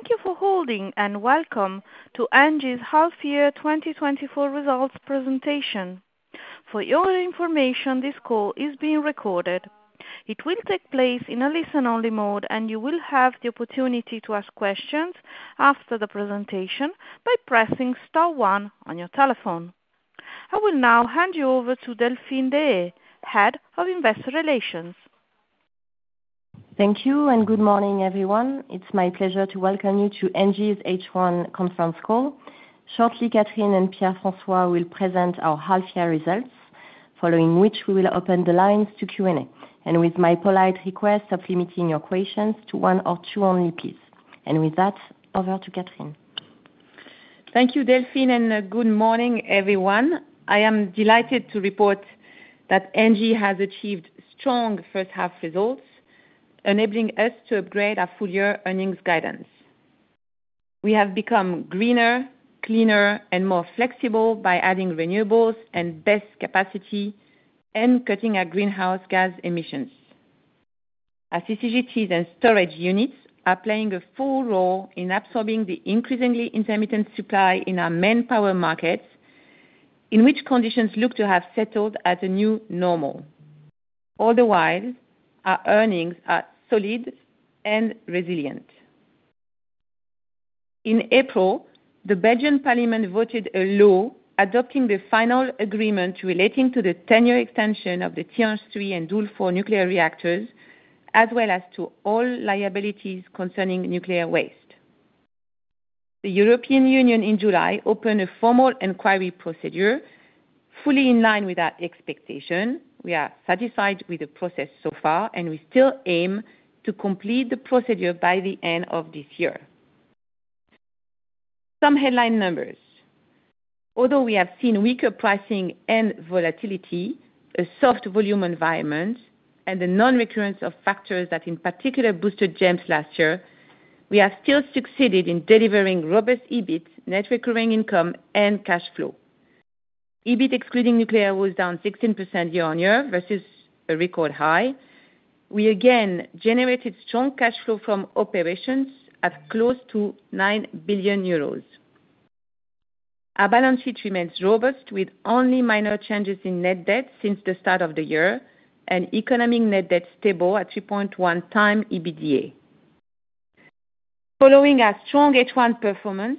Thank you for holding, and welcome to Engie's Half-Year 2024 Results Presentation. For your information, this call is being recorded. It will take place in a listen-only mode, and you will have the opportunity to ask questions after the presentation by pressing star one on your telephone. I will now hand you over to Delphine Deshayes, Head of Investor Relations. Thank you, and good morning, everyone. It's my pleasure to welcome you to ENGIE's H1 conference call. Shortly, Catherine and Pierre-François will present our half-year results, following which we will open the lines to Q&A, and with my polite request of limiting your questions to one or two only, please. With that, over to Catherine. Thank you, Delphine, and good morning, everyone. I am delighted to report that ENGIE has achieved strong first half results, enabling us to upgrade our full year earnings guidance. We have become greener, cleaner, and more flexible by adding renewables and BESS capacity and cutting our greenhouse gas emissions. Our CCGTs and storage units are playing a full role in absorbing the increasingly intermittent supply in our main power markets, in which conditions look to have settled as a new normal. Otherwise, our earnings are solid and resilient. In April, the Belgian parliament voted a law adopting the final agreement relating to the 10-year extension of the Tihange 3 and Doel 4 nuclear reactors, as well as to all liabilities concerning nuclear waste. The European Union in July opened a formal inquiry procedure, fully in line with our expectation. We are satisfied with the process so far, and we still aim to complete the procedure by the end of this year. Some headline numbers. Although we have seen weaker pricing and volatility, a soft volume environment, and the non-recurrence of factors that in particular boosted GEMS last year, we have still succeeded in delivering robust EBIT, net recurring income, and cash flow. EBIT, excluding nuclear, was down 16% year-on-year versus a record high. We again generated strong cash flow from operations at close to 9 billion euros. Our balance sheet remains robust, with only minor changes in net debt since the start of the year, and economic net debt stable at 3.1x EBITDA. Following our strong H1 performance,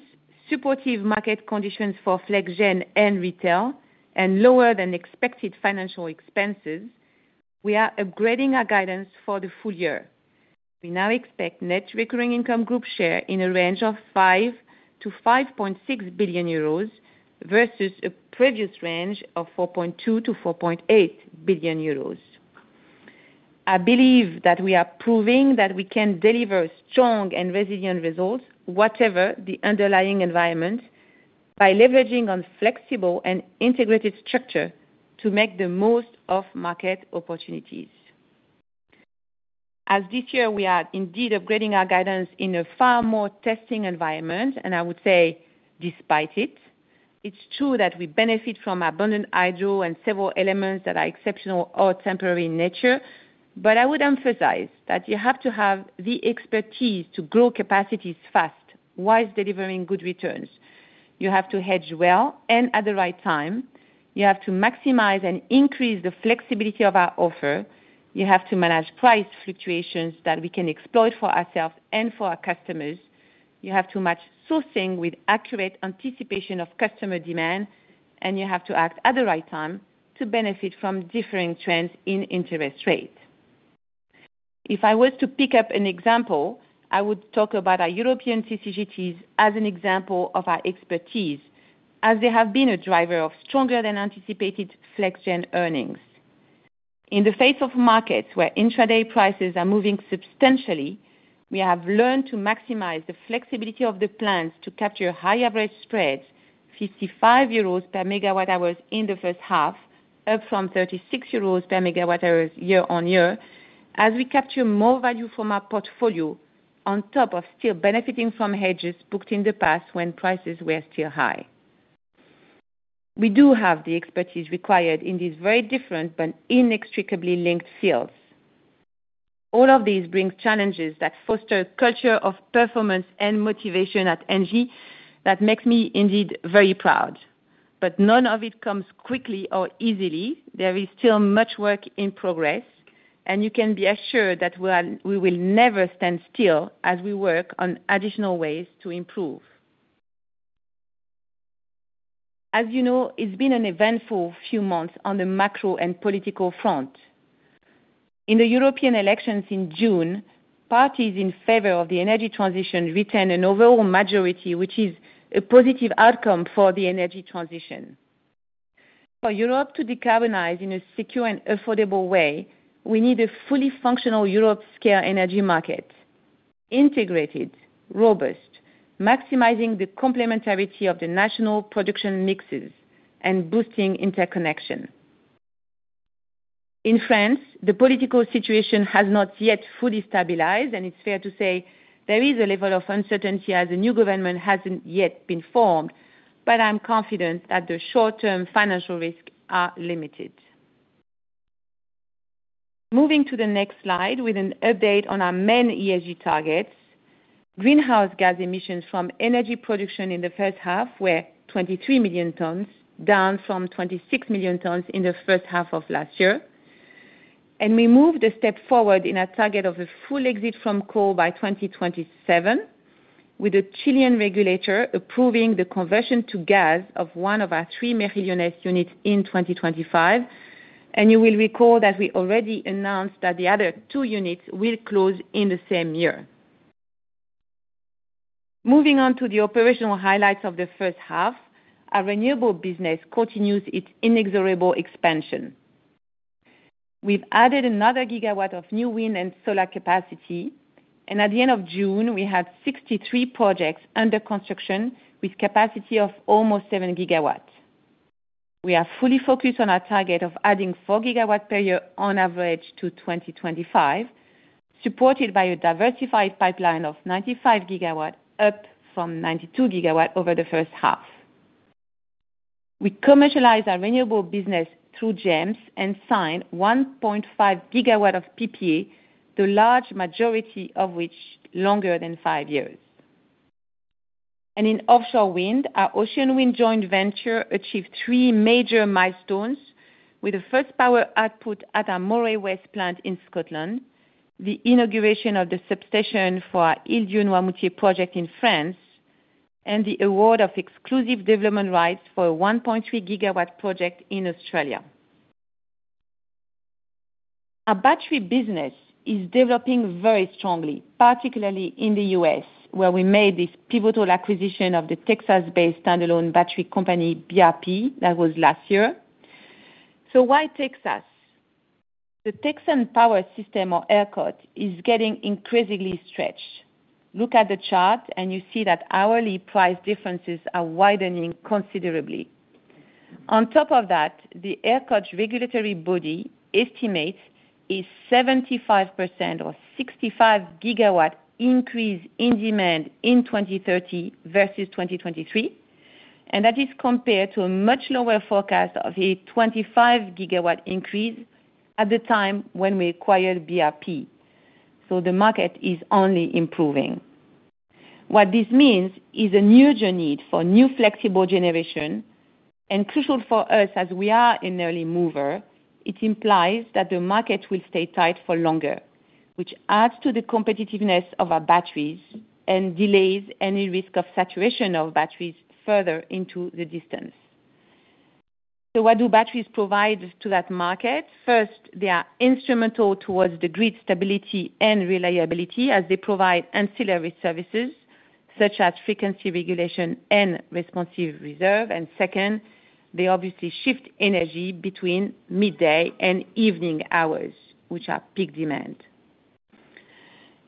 supportive market conditions for Flex Gen and retail, and lower than expected financial expenses, we are upgrading our guidance for the full year. We now expect net recurring income group share in a range of 5 billion-5.6 billion euros, versus a previous range of 4.2 billion-4.8 billion euros. I believe that we are proving that we can deliver strong and resilient results, whatever the underlying environment, by leveraging on flexible and integrated structure to make the most of market opportunities. As this year, we are indeed upgrading our guidance in a far more testing environment, and I would say despite it, it's true that we benefit from abundant hydro and several elements that are exceptional or temporary in nature. But I would emphasize that you have to have the expertise to grow capacities fast, whilst delivering good returns. You have to hedge well and at the right time. You have to maximize and increase the flexibility of our offer. You have to manage price fluctuations that we can exploit for ourselves and for our customers. You have to match sourcing with accurate anticipation of customer demand, and you have to act at the right time to benefit from differing trends in interest rates. If I was to pick up an example, I would talk about our European CCGTs as an example of our expertise, as they have been a driver of stronger than anticipated Flex Gen earnings. In the face of markets where intraday prices are moving substantially, we have learned to maximize the flexibility of the plants to capture high average spreads, 55 euros per MWh in the first half, up from 36 euros per MWh year-on-year, as we capture more value from our portfolio on top of still benefiting from hedges booked in the past when prices were still high. We do have the expertise required in these very different but inextricably linked fields. All of these bring challenges that foster a culture of performance and motivation at ENGIE that makes me indeed very proud. But none of it comes quickly or easily. There is still much work in progress, and you can be assured that we are, we will never stand still as we work on additional ways to improve. As you know, it's been an eventful few months on the macro and political front. In the European elections in June, parties in favor of the energy transition retained an overall majority, which is a positive outcome for the energy transition. For Europe to decarbonize in a secure and affordable way, we need a fully functional Europe-scale energy market, integrated, robust, maximizing the complementarity of the national production mixes and boosting interconnection. In France, the political situation has not yet fully stabilized, and it's fair to say there is a level of uncertainty as the new government hasn't yet been formed. But I'm confident that the short-term financial risks are limited. Moving to the next slide, with an update on our main ESG targets. Greenhouse gas emissions from energy production in the first half were 23 million tons, down from 26 million tons in the first half of last year. We moved a step forward in our target of a full exit from coal by 2027, with a Chilean regulator approving the conversion to gas of one of our three Mejillones units in 2025. You will recall that we already announced that the other two units will close in the same year. Moving on to the operational highlights of the first half, our Renewable business continues its inexorable expansion. We've added another 1 gigawatt of new wind and solar capacity, and at the end of June, we had 63 projects under construction, with capacity of almost 7 GW. We are fully focused on our target of adding 4 GW per year on average to 2025, supported by a diversified pipeline of 95 GW, up from 92 GW over the first half. We commercialize our Renewable business through GEMS and sign 1.5 GW of PPA, the large majority of which longer than 5 years. In Offshore Wind, our Ocean Winds joint venture achieved three major milestones, with the first power output at our Moray West plant in Scotland, the inauguration of the substation for our Iles d'Yeu et de Noirmoutier project in France, and the award of exclusive development rights for a 1.3 GW project in Australia. Our battery business is developing very strongly, particularly in the U.S., where we made this pivotal acquisition of the Texas-based standalone battery company, BRP. That was last year. So why Texas? The Texan power system, or ERCOT, is getting increasingly stretched. Look at the chart, and you see that hourly price differences are widening considerably. On top of that, the ERCOT regulatory body estimates a 75% or 65 GW increase in demand in 2030 versus 2023, and that is compared to a much lower forecast of a 25 GW increase at the time when we acquired BRP. So the market is only improving. What this means is an urgent need for new flexible generation, and crucial for us, as we are an early mover, it implies that the market will stay tight for longer, which adds to the competitiveness of our batteries and delays any risk of saturation of batteries further into the distance. So what do batteries provide to that market? First, they are instrumental towards the grid stability and reliability, as they provide ancillary services such as frequency regulation and responsive reserve. And second, they obviously shift energy between midday and evening hours, which are peak demand.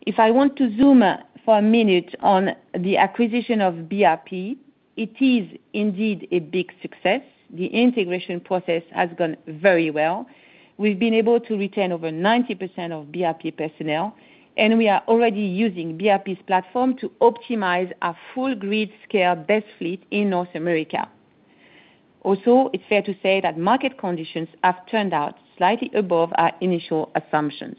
If I want to zoom out for a minute on the acquisition of BRP, it is indeed a big success. The integration process has gone very well. We've been able to retain over 90% of BRP personnel, and we are already using BRP's platform to optimize our full grid-scale battery fleet in North America. Also, it's fair to say that market conditions have turned out slightly above our initial assumptions.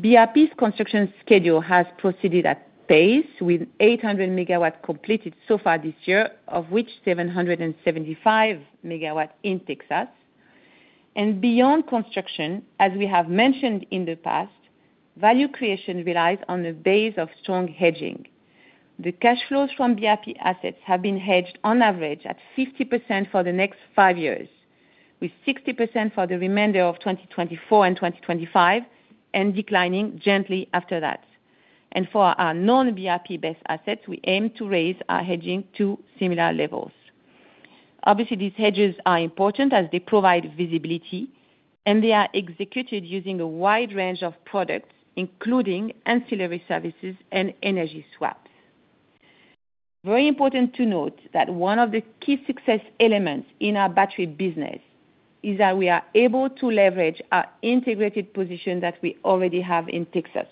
BRP's construction schedule has proceeded at pace, with 800 MW completed so far this year, of which 775 MW in Texas. And beyond construction, as we have mentioned in the past, value creation relies on the basis of strong hedging. The cash flows from BRP assets have been hedged on average at 50% for the next 5 years, with 60% for the remainder of 2024 and 2025, and declining gently after that. For our non-BRP-based assets, we aim to raise our hedging to similar levels. Obviously, these hedges are important as they provide visibility, and they are executed using a wide range of products, including ancillary services and energy swaps. Very important to note that one of the key success elements in our battery business is that we are able to leverage our integrated position that we already have in Texas.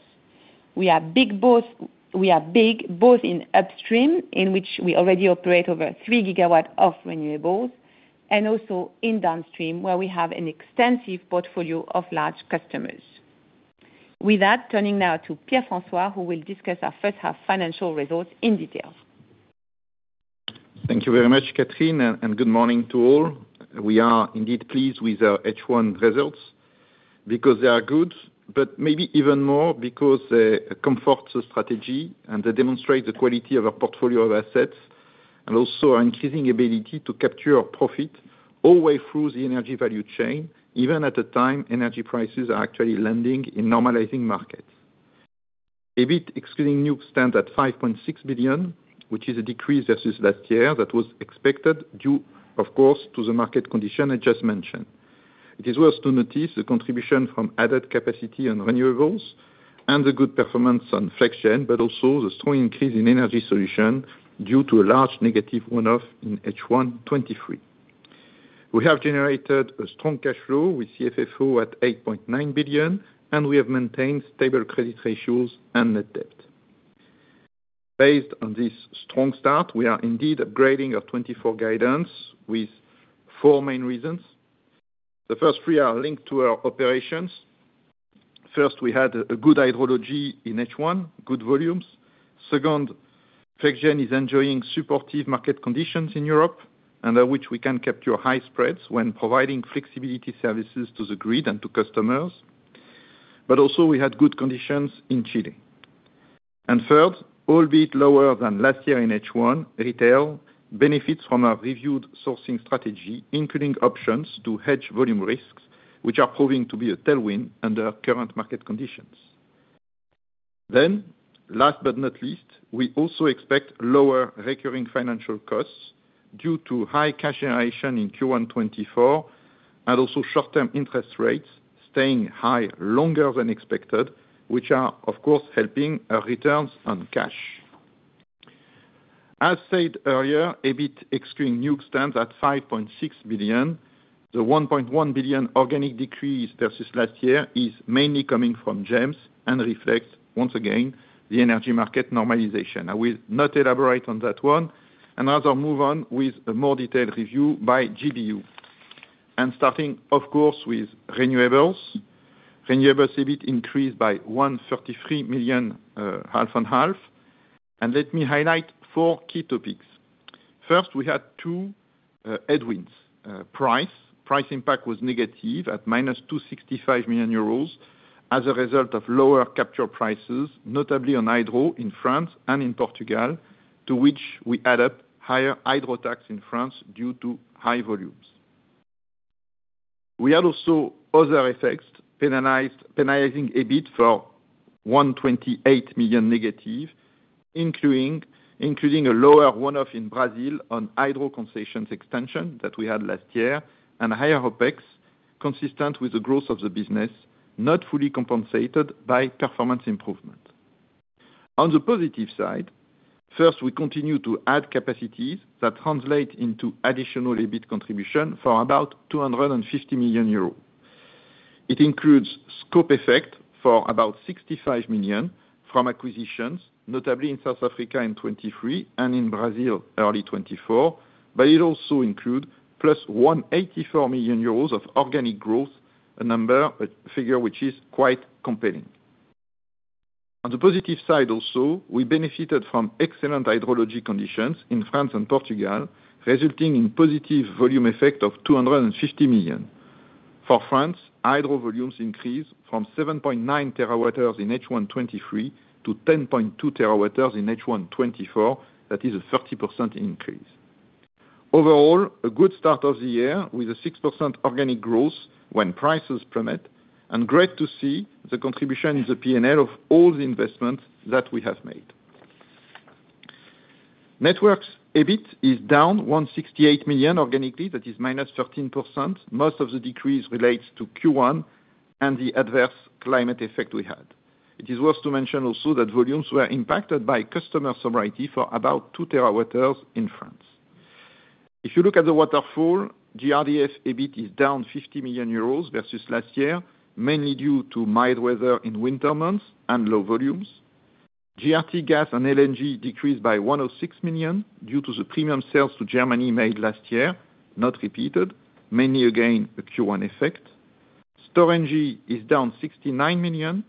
We are big, both in upstream, in which we already operate over 3 GW of renewables, and also in downstream, where we have an extensive portfolio of large customers. With that, turning now to Pierre-François, who will discuss our first half financial results in detail. Thank you very much, Catherine, and good morning to all. We are indeed pleased with our H1 results, because they are good, but maybe even more, because it comforts the strategy and they demonstrate the quality of our portfolio of assets, and also our increasing ability to capture profit all the way through the energy value chain, even at the time energy prices are actually landing in normalizing markets. EBIT, excluding nuke, stand at 5.6 billion, which is a decrease versus last year that was expected, due, of course, to the market condition I just mentioned. It is worth to notice the contribution from added capacity and renewables and the good performance on Flex Gen, but also the strong increase in energy solution due to a large negative one-off in H1 2023. We have generated a strong cash flow with CFFO at 8.9 billion, and we have maintained stable credit ratios and net debt. Based on this strong start, we are indeed upgrading our 2024 guidance with four main reasons. The first three are linked to our operations. First, we had a good hydrology in H1, good volumes. Second, Flex Gen is enjoying supportive market conditions in Europe, and at which we can capture high spreads when providing flexibility services to the grid and to customers. But also, we had good conditions in Chile. And third, albeit lower than last year in H1, retail benefits from our reviewed sourcing strategy, including options to hedge volume risks, which are proving to be a tailwind under current market conditions. Then, last but not least, we also expect lower recurring financial costs due to high cash generation in Q1 2024, and also short-term interest rates staying high longer than expected, which are, of course, helping our returns on cash. As said earlier, EBIT excluding nuke stands at 5.6 billion. The 1.1 billion organic decrease versus last year is mainly coming from GEMS and reflects, once again, the energy market normalization. I will not elaborate on that one, and as I move on with a more detailed review by GBU. Starting, of course, with Renewables. Renewables, EBIT increased by 133 million, half and half. Let me highlight four key topics. First, we had two headwinds. Price. Price impact was negative, at -265 million euros, as a result of lower capture prices, notably on hydro in France and in Portugal, to which we add up higher hydro tax in France due to high volumes. We had also other effects, penalizing EBIT for -128 million, including a lower one-off in Brazil on hydro concessions extension that we had last year, and higher OpEx, consistent with the growth of the business, not fully compensated by performance improvement. On the positive side, first, we continue to add capacities that translate into additional EBIT contribution for about 250 million euro. It includes scope effect for about 65 million from acquisitions, notably in South Africa in 2023, and in Brazil, early 2024. But it also include plus 184 million euros of organic growth, a number, a figure which is quite compelling. On the positive side also, we benefited from excellent hydrology conditions in France and Portugal, resulting in positive volume effect of 250 million. For France, hydro volumes increased from 7.9 TW in H1 2023 to 10.2 TW in H1 2024. That is a 30% increase. Overall, a good start of the year, with a 6% organic growth when prices permit, and great to see the contribution in the P&L of all the investments that we have made. Networks' EBIT is down 168 million organically, that is -13%. Most of the decrease relates to Q1 and the adverse climate effect we had. It is worth to mention also that volumes were impacted by customer sobriety for about 2 TW in France. If you look at the waterfall, GRDF EBIT is down 50 million euros versus last year, mainly due to mild weather in winter months and low volumes. GRTgaz and LNG decreased by 106 million, due to the premium sales to Germany made last year, not repeated, mainly again, a Q1 effect. Storengy is down 69 million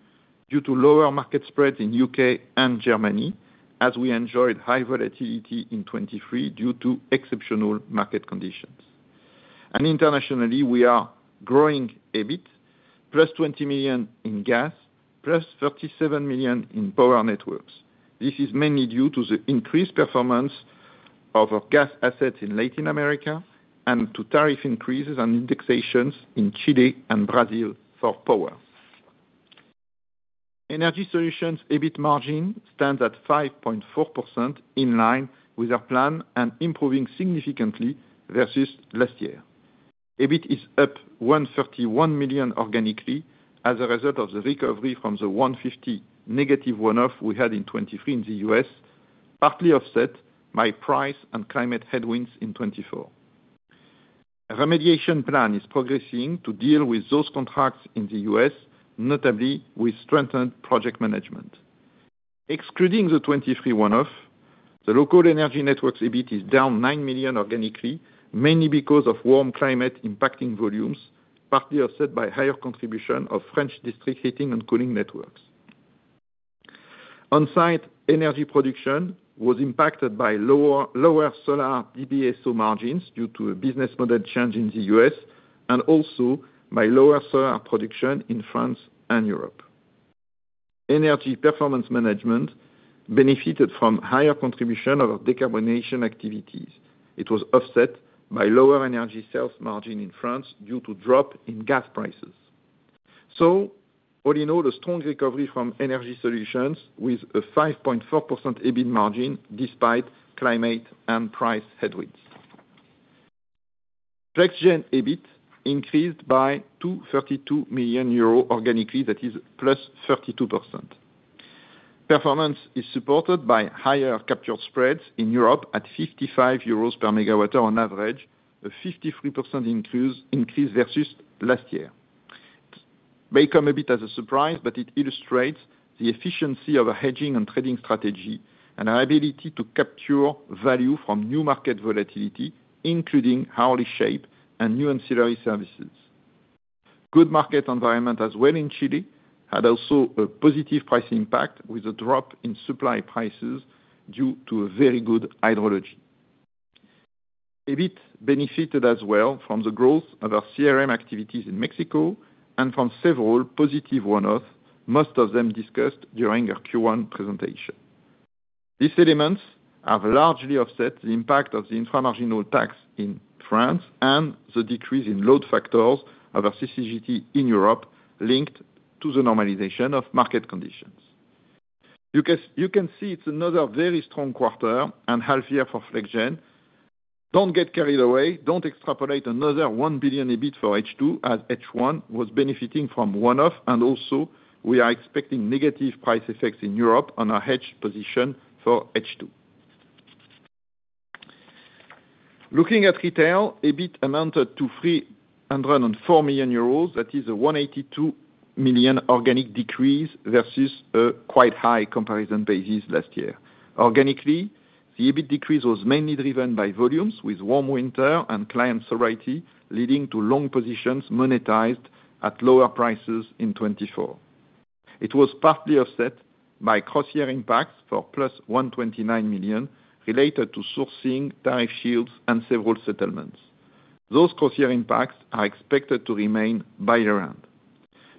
due to lower market spreads in U.K. and Germany, as we enjoyed high volatility in 2023 due to exceptional market conditions. And internationally, we are growing a bit, + 20 million in gas, + 37 million in power networks. This is mainly due to the increased performance of our gas assets in Latin America, and to tariff increases and indexations in Chile and Brazil for power. Energy Solutions EBIT margin stands at 5.4%, in line with our plan and improving significantly versus last year. EBIT is up 131 million organically, as a result of the recovery from the 150 negative one-off we had in 2023 in the U.S., partly offset by price and climate headwinds in 2024. A remediation plan is progressing to deal with those contracts in the U.S., notably with strengthened project management. Excluding the 2023 one-off, the local energy networks EBIT is down 9 million organically, mainly because of warm climate impacting volumes, partly offset by higher contribution of French district heating and cooling networks. Onsite energy production was impacted by lower solar EBITDA so margins, due to a business model change in the U.S., and also by lower solar production in France and Europe. Energy performance management benefited from higher contribution of our decarbonization activities. It was offset by lower energy sales margin in France, due to drop in gas prices. So all in all, a strong recovery from energy solutions with a 5.4% EBIT margin, despite climate and price headwinds. Flex Gen EBIT increased by 232 million euros organically, that is, +32%. Performance is supported by higher capture spreads in Europe at 55 euros per MW on average, a 53% increase versus last year. [It] may come a bit as a surprise, but it illustrates the efficiency of a hedging and trading strategy, and our ability to capture value from new market volatility, including hourly shape and new ancillary services. Good market environment as well in Chile, had also a positive price impact, with a drop in supply prices due to a very good hydrology. EBIT benefited as well from the growth of our CRM activities in Mexico, and from several positive one-offs, most of them discussed during our Q1 presentation. These elements have largely offset the impact of the Infra-marginal Tax in France, and the decrease in load factors of our CCGT in Europe, linked to the normalization of market conditions. You can, you can see it's another very strong quarter and half year for Flex Gen. Don't get carried away. Don't extrapolate another 1 billion EBIT for H2, as H1 was benefiting from one-off, and also we are expecting negative price effects in Europe on our hedge position for H2. Looking at retail, EBIT amounted to 304 million euros. That is a 182 million organic decrease versus a quite high comparison basis last year. Organically, the EBIT decrease was mainly driven by volumes, with warm winter and client sobriety, leading to long positions monetized at lower prices in 2024. It was partly offset by cross-year impacts for +129 million, related to sourcing, tariff shields, and several settlements. Those cross-year impacts are expected to remain by year-end.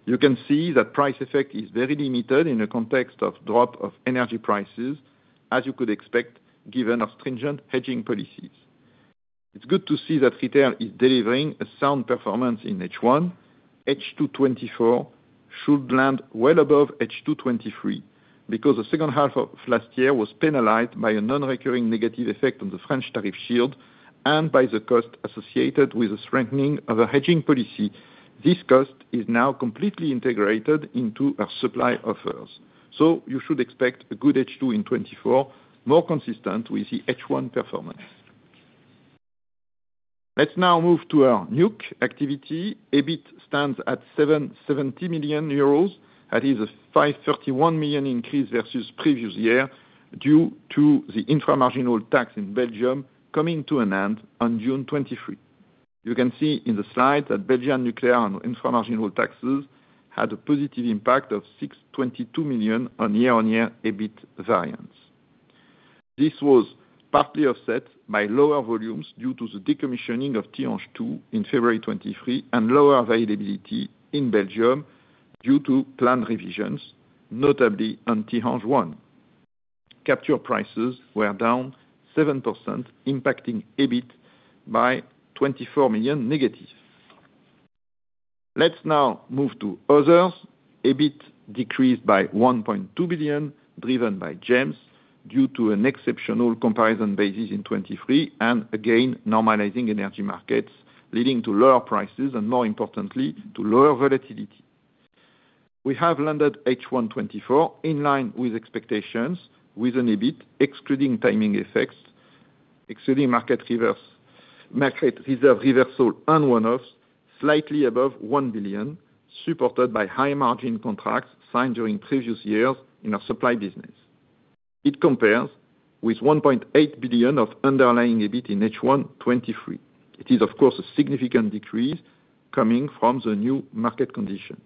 You can see that price effect is very limited in the context of drop of energy prices, as you could expect, given our stringent hedging policies. It's good to see that retail is delivering a sound performance in H1. H2 2024 should land well above H2 2023, because the second half of last year was penalized by a non-recurring negative effect on the French tariff shield, and by the cost associated with the strengthening of a hedging policy. This cost is now completely integrated into our supply offers. So you should expect a good H2 in 2024, more consistent with the H1 performance. Let's now move to our nuclear activity. EBIT stands at 770 million euros, that is a 531 million increase versus previous year, due to the infra-marginal tax in Belgium coming to an end on June 2023. You can see in the slide that Belgian nuclear and infra-marginal taxes had a positive impact of 622 million on year-on-year EBIT variance. This was partly offset by lower volumes, due to the decommissioning of Tihange 2 in February 2023, and lower availability in Belgium due to plant revisions, notably on Tihange 1. Capture prices were down 7%, impacting EBIT by 24 million negative. Let's now move to others. EBIT decreased by 1.2 billion, driven by GEMS, due to an exceptional comparison basis in 2023, and again, normalizing energy markets, leading to lower prices, and more importantly, to lower volatility. We have landed H1 2024 in line with expectations, with an EBIT excluding timing effects, excluding market reserve reversal and one-offs, slightly above 1 billion, supported by high-margin contracts signed during previous years in our supply business. It compares with 1.8 billion of underlying EBIT in H1 2023. It is, of course, a significant decrease coming from the new market conditions.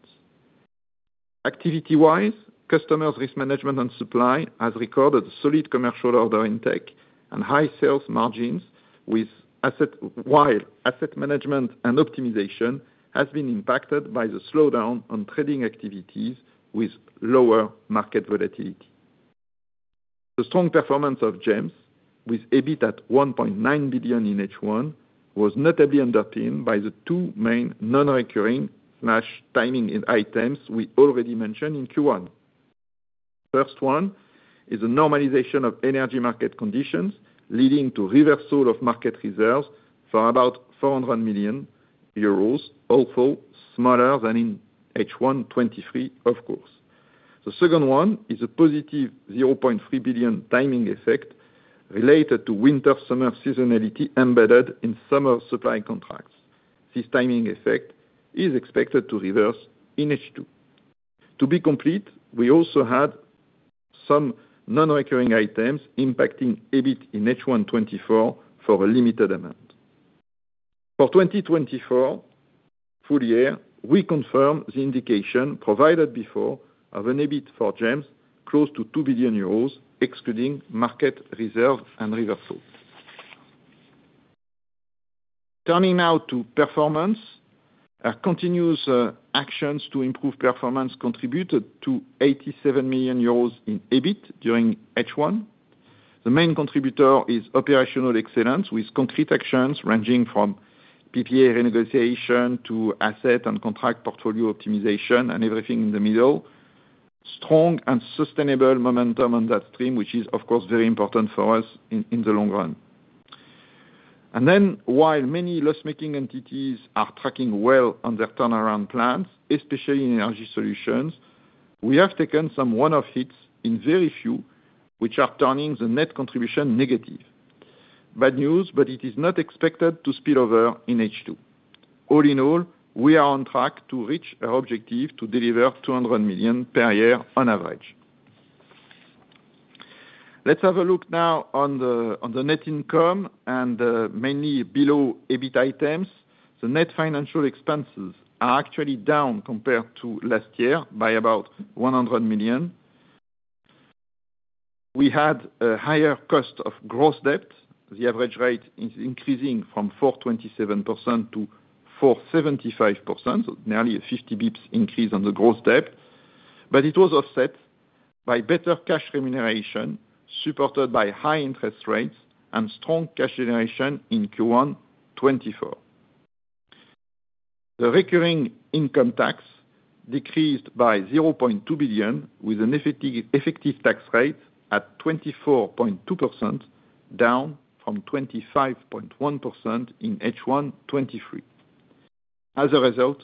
Activity-wise, customers risk management and supply has recorded solid commercial order intake and high sales margins, while asset management and optimization has been impacted by the slowdown on trading activities with lower market volatility. The strong performance of GEMS, with EBIT at 1.9 billion in H1, was notably underpinned by the two main non-recurring slash timing items we already mentioned in Q1. First one is a normalization of energy market conditions, leading to reversal of market reserves for about 400 million euros, although smaller than in H1 2023, of course. The second one is a positive 0.3 billion timing effect related to winter-summer seasonality embedded in summer supply contracts. This timing effect is expected to reverse in H2. To be complete, we also had some non-recurring items impacting EBIT in H1 2024 for a limited amount. For 2024 full year, we confirm the indication provided before of an EBIT for GEMS close to 2 billion euros, excluding market reserve and reversal. Turning now to performance. Our continuous actions to improve performance contributed to 87 million euros in EBIT during H1. The main contributor is operational excellence, with concrete actions ranging from PPA renegotiation to asset and contract portfolio optimization, and everything in the middle. Strong and sustainable momentum on that stream, which is, of course, very important for us in the long run. And then, while many loss-making entities are tracking well on their turnaround plans, especially in energy solutions, we have taken some one-off hits in very few, which are turning the net contribution negative. Bad news, but it is not expected to spill over in H2. All in all, we are on track to reach our objective to deliver 200 million per year on average. Let's have a look now on the net income and mainly below EBIT items. The net financial expenses are actually down compared to last year by about 100 million. We had a higher cost of gross debt. The average rate is increasing from 4.27% to 4.75%, nearly a 50 basis points increase on the gross debt, but it was offset by better cash remuneration, supported by high interest rates and strong cash generation in Q1 2024. The recurring income tax decreased by 0.2 billion, with an effective tax rate at 24.2%, down from 25.1% in H1 2023. As a result,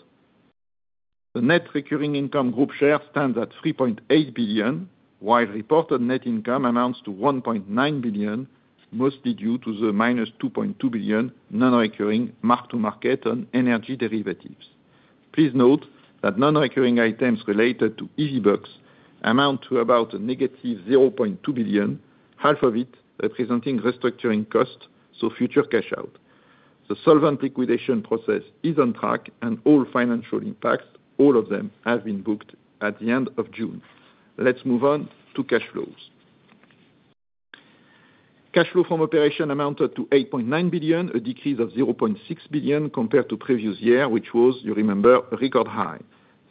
the net recurring income group share stands at 3.8 billion, while reported net income amounts to 1.9 billion, mostly due to the -2.2 billion non-recurring mark-to-market on energy derivatives. Please note that non-recurring items related to EVBox amount to about a -0.2 billion, half of it representing restructuring costs, so future cash out. The solvent liquidation process is on track, and all financial impacts, all of them, have been booked at the end of June. Let's move on to cash flows. Cash flow from operation amounted to 8.9 billion, a decrease of 0.6 billion compared to previous year, which was, you remember, a record high.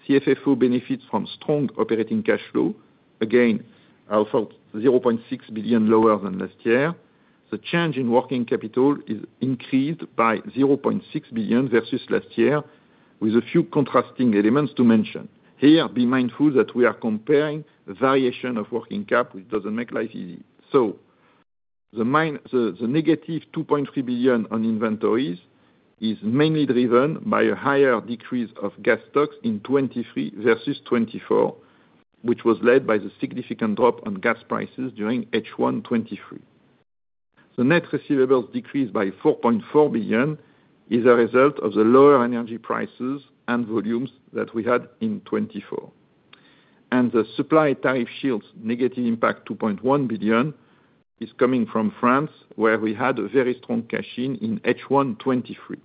CFFO benefits from strong operating cash flow. Again, also 0.6 billion lower than last year. The change in working capital is increased by 0.6 billion versus last year, with a few contrasting elements to mention. Here, be mindful that we are comparing variation of working cap, which doesn't make life easy. So the -2.3 billion on inventories is mainly driven by a higher decrease of gas stocks in 2023 versus 2024, which was led by the significant drop on gas prices during H1 2023. The net receivables decreased by 4.4 billion, is a result of the lower energy prices and volumes that we had in 2024. The supply tariff shields negative impact 2.1 billion is coming from France, where we had a very strong cash-in in H1 2023.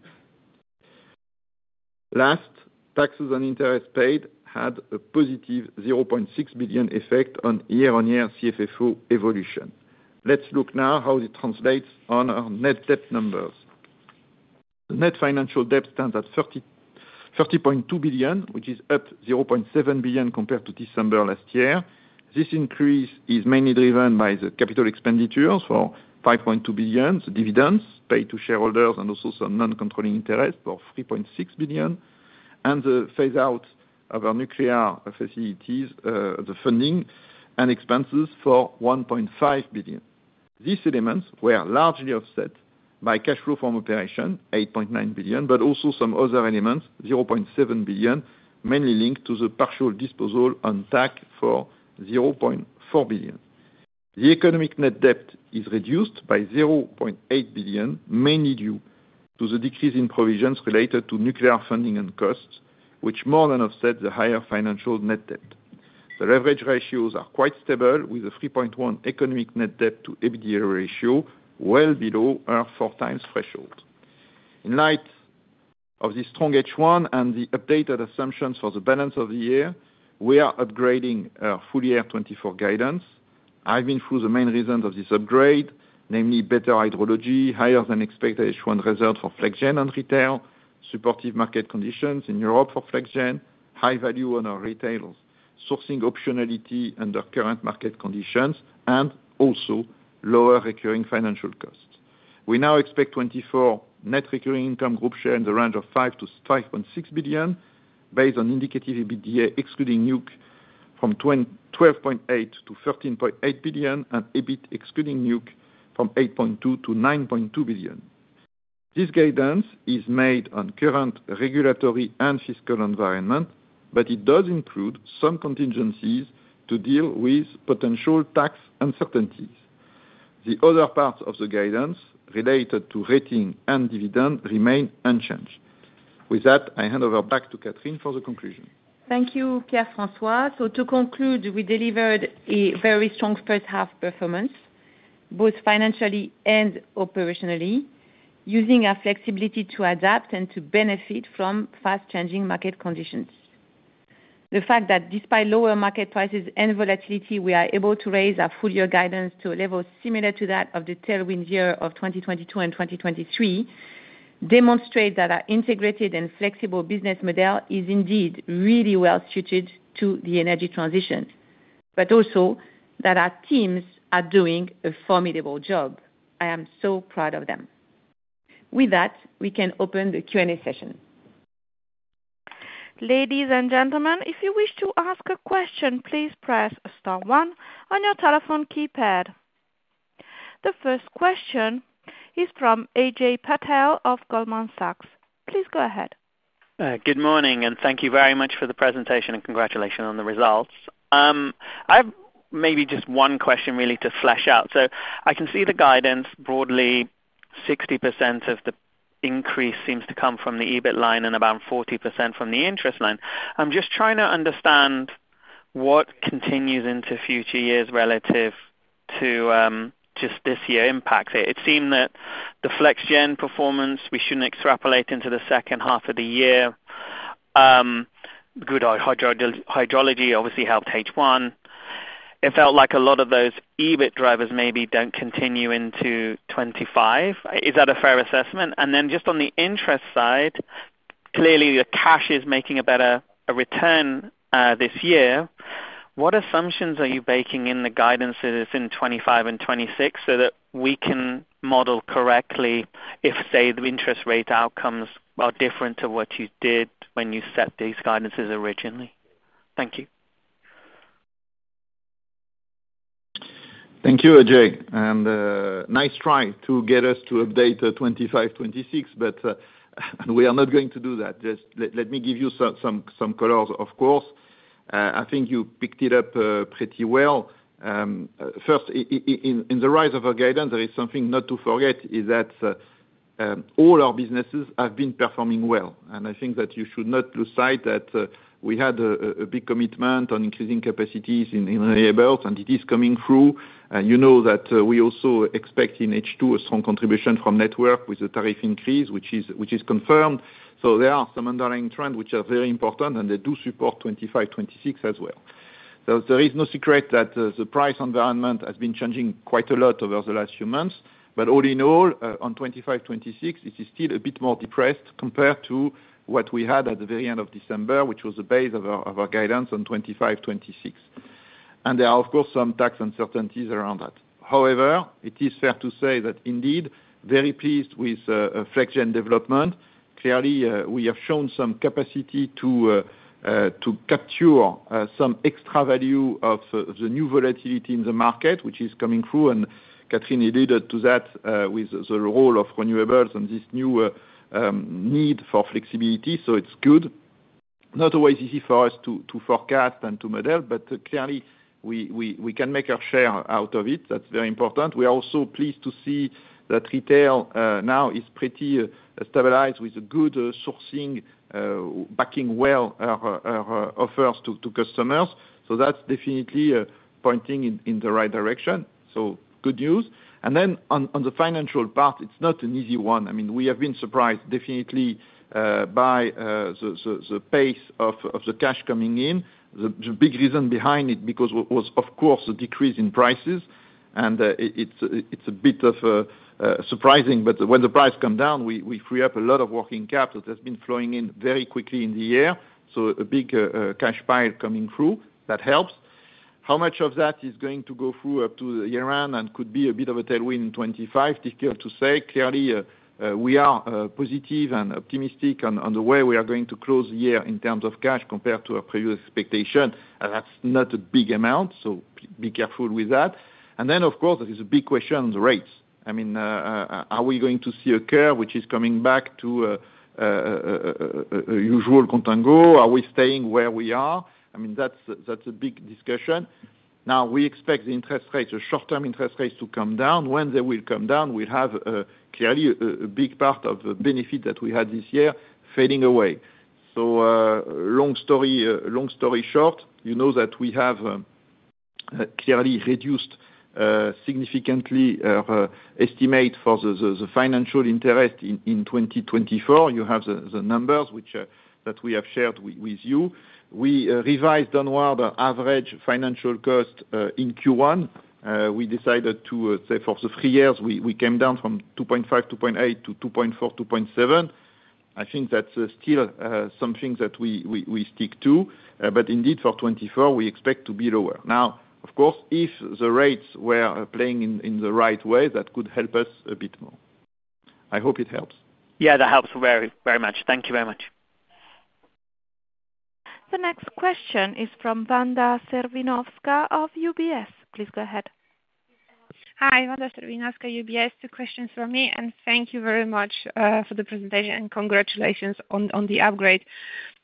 Last, taxes on interest paid had a positive 0.6 billion effect on year-on-year CFFO evolution. Let's look now how it translates on our net debt numbers. The net financial debt stands at 30.2 billion, which is up 0.7 billion compared to December last year. This increase is mainly driven by the capital expenditures for 5.2 billion, the dividends paid to shareholders, and also some non-controlling interest of 3.6 billion, and the phase out of our nuclear facilities, the funding and expenses for 1.5 billion. These elements were largely offset by cash flow from operations, 8.9 billion, but also some other elements, 0.7 billion, mainly linked to the partial disposal of TAG for 0.4 billion. The economic net debt is reduced by 0.8 billion, mainly due to the decrease in provisions related to nuclear funding and costs, which more than offset the higher financial net debt. The leverage ratios are quite stable, with a 3.1 economic net debt to EBITDA ratio, well below our 4x threshold. In light of the strong H1 and the updated assumptions for the balance of the year, we are upgrading our full-year 2024 guidance. I've been through the main reasons of this upgrade, namely better hydrology, higher than expected H1 results for Flex Gen and retail, supportive market conditions in Europe for Flex Gen, high value on our retailers, sourcing optionality under current market conditions, and also lower recurring financial costs. We now expect 2024 net recurring income group share in the range of 5 billion-5.6 billion, based on indicative EBITDA, excluding nuke from 12.8 billion-13.8 billion, and EBIT excluding nuke, from 8.2 billion-9.2 billion. This guidance is made on current regulatory and fiscal environment, but it does include some contingencies to deal with potential tax uncertainties. The other parts of the guidance related to rating and dividend remain unchanged. With that, I hand over back to Catherine for the conclusion. Thank you, Pierre-François. So to conclude, we delivered a very strong first half performance, both financially and operationally, using our flexibility to adapt and to benefit from fast-changing market conditions. The fact that despite lower market prices and volatility, we are able to raise our full year guidance to a level similar to that of the tailwind year of 2022 and 2023, demonstrate that our integrated and flexible business model is indeed really well suited to the energy transition, but also that our teams are doing a formidable job. I am so proud of them. With that, we can open the Q&A session. Ladies and gentlemen, if you wish to ask a question, please press star one on your telephone keypad. The first question is from Ajay Patel of Goldman Sachs. Please go ahead. Good morning, and thank you very much for the presentation, and congratulations on the results. I've maybe just one question really to flesh out. So I can see the guidance, broadly 60% of the increase seems to come from the EBIT line and about 40% from the interest line. I'm just trying to understand what continues into future years relative to, just this year impacts it. It seemed that the Flex Gen performance, we shouldn't extrapolate into the second half of the year. Good hydrology obviously helped H1. It felt like a lot of those EBIT drivers maybe don't continue into 2025. Is that a fair assessment? And then just on the interest side, clearly your cash is making a better, a return, this year. What assumptions are you baking in the guidances in 2025 and 2026, so that we can model correctly if, say, the interest rate outcomes are different to what you did when you set these guidances originally? Thank you. Thank you, Ajay, and nice try to get us to update 2025, 2026, but we are not going to do that. Just let me give you some colors, of course. I think you picked it up pretty well. First, in the rise of our guidance, there is something not to forget, is that all our businesses have been performing well, and I think that you should not lose sight that we had a big commitment on increasing capacities in Renewables, and it is coming through. And you know that we also expect in H2 a strong contribution from network with the tariff increase, which is confirmed. So there are some underlying trend, which are very important, and they do support 2025, 2026 as well. So there is no secret that, the price environment has been changing quite a lot over the last few months, but all in all, on 2025, 2026, it is still a bit more depressed compared to what we had at the very end of December, which was the base of our, of our guidance on 2025, 2026. And there are, of course, some tax uncertainties around that. However, it is fair to say that indeed very pleased with, Flex Gen development. Clearly, we have shown some capacity to, to capture, some extra value of the, the new volatility in the market, which is coming through, and Catherine alluded to that, with the role of renewables and this new, need for flexibility, so it's good. Not always easy for us to forecast and to model, but clearly we can make our share out of it. That's very important. We are also pleased to see that retail now is pretty stabilized with good sourcing backing well our offers to customers. So that's definitely pointing in the right direction, so good news. Then on the financial part, it's not an easy one. I mean, we have been surprised, definitely, by the pace of the cash coming in. The big reason behind it, because was, of course, a decrease in prices, and it’s a bit of surprising, but when the price come down, we free up a lot of working capital that's been flowing in very quickly in the year, so a big cash pile coming through. That helps. How much of that is going to go through up to the year-end and could be a bit of a tailwind in 2025? Difficult to say. Clearly, we are positive and optimistic on the way we are going to close the year in terms of cash compared to our previous expectation, and that's not a big amount, so be careful with that. And then, of course, there is a big question on the rates. I mean, are we going to see a curve which is coming back to a usual contango? Are we staying where we are? I mean, that's a big discussion. Now, we expect the interest rates, the short-term interest rates to come down. When they will come down, we have clearly a big part of the benefit that we had this year fading away. So, long story short, you know that we have clearly reduced significantly our estimate for the financial interest in 2024. You have the numbers that we have shared with you. We revised downward our average financial cost in Q1. We decided to say for the three years, we came down from 2.5-2.8 to 2.4-2.7. I think that's still something that we stick to, but indeed, for 2024, we expect to be lower. Now, of course, if the rates were playing in the right way, that could help us a bit more. I hope it helps. Yeah, that helps very, very much. Thank you very much. The next question is from Wanda Serwinowska of UBS. Please go ahead. Hi, Wanda Serwinowska, UBS. Two questions from me, and thank you very much for the presentation, and congratulations on the upgrade.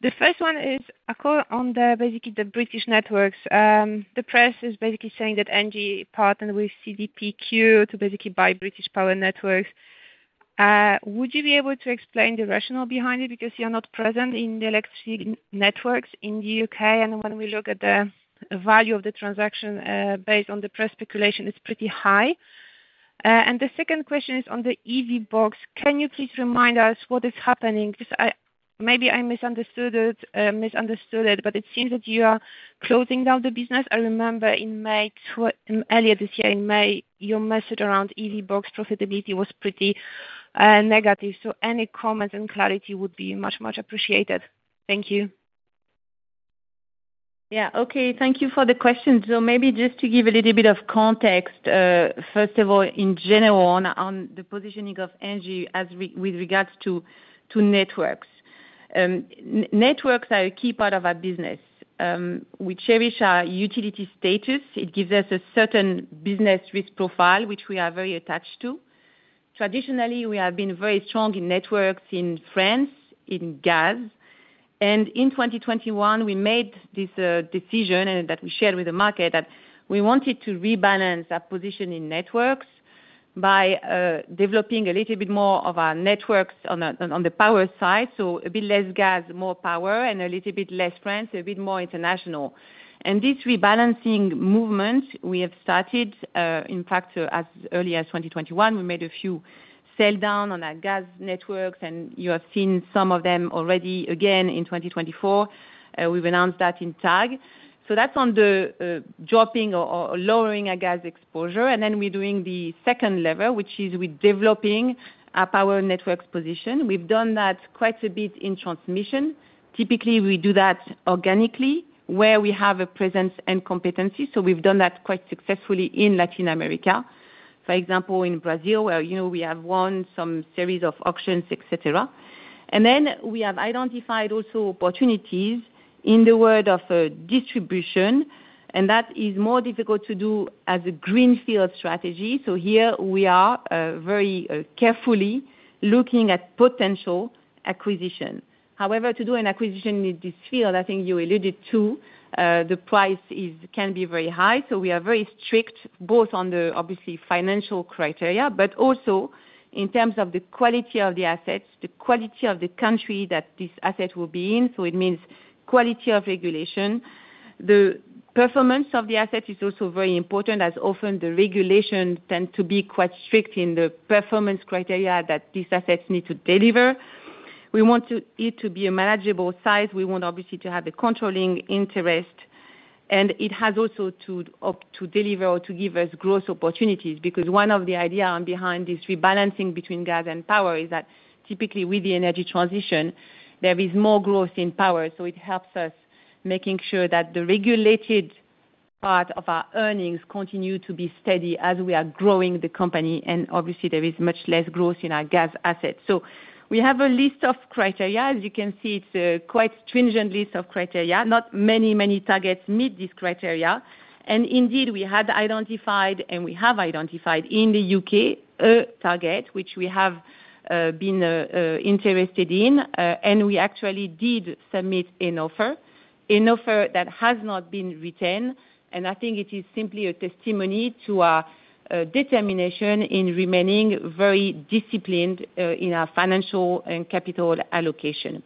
The first one is a call on the, basically, the British networks. The press is basically saying that ENGIE partnered with CDPQ to basically buy British Power Networks. Would you be able to explain the rationale behind it? Because you are not present in the electricity networks in the U.K., and when we look at the value of the transaction, based on the press speculation, it's pretty high. And the second question is on the EVBox. Can you please remind us what is happening? 'Cause I... Maybe I misunderstood it, misunderstood it, but it seems that you are closing down the business. I remember in May, earlier this year, in May, your message around EVBox profitability was pretty, negative, so any comments and clarity would be much, much appreciated. Thank you. Yeah. Okay, thank you for the question. So maybe just to give a little bit of context, first of all, in general on the positioning of ENGIE as regards to networks. Networks are a key part of our business. We cherish our utility status. It gives us a certain business risk profile, which we are very attached to. Traditionally, we have been very strong in networks in France, in gas.... And in 2021, we made this decision and that we shared with the market, that we wanted to rebalance our position in networks by developing a little bit more of our networks on the power side. So a bit less gas, more power, and a little bit less France, a bit more international. This rebalancing movement, we have started, in fact, as early as 2021. We made a few sell down on our gas networks, and you have seen some of them already, again, in 2024, we've announced that in TAG. So that's on the dropping or lowering our gas exposure. And then we're doing the second level, which is with developing our power networks position. We've done that quite a bit in transmission. Typically, we do that organically, where we have a presence and competency, so we've done that quite successfully in Latin America. For example, in Brazil, where, you know, we have won some series of auctions, et cetera. And then we have identified also opportunities in the world of distribution, and that is more difficult to do as a greenfield strategy. So here we are, very carefully looking at potential acquisition. However, to do an acquisition in this field, I think you alluded to, the price can be very high. So we are very strict, both on the, obviously, financial criteria, but also in terms of the quality of the assets, the quality of the country that this asset will be in, so it means quality of regulation. The performance of the asset is also very important, as often the regulations tend to be quite strict in the performance criteria that these assets need to deliver. We want it to be a manageable size. We want, obviously, to have the controlling interest, and it has also to deliver or to give us growth opportunities. Because one of the ideas behind this rebalancing between gas and power is that typically with the energy transition, there is more growth in power, so it helps us making sure that the regulated part of our earnings continue to be steady as we are growing the company, and obviously there is much less growth in our gas assets. So we have a list of criteria, as you can see, it's a quite stringent list of criteria, not many, many targets meet this criteria. And indeed, we had identified, and we have identified in the U.K., a target, which we have been interested in. And we actually did submit an offer, an offer that has not been retained, and I think it is simply a testimony to our determination in remaining very disciplined in our financial and capital allocation.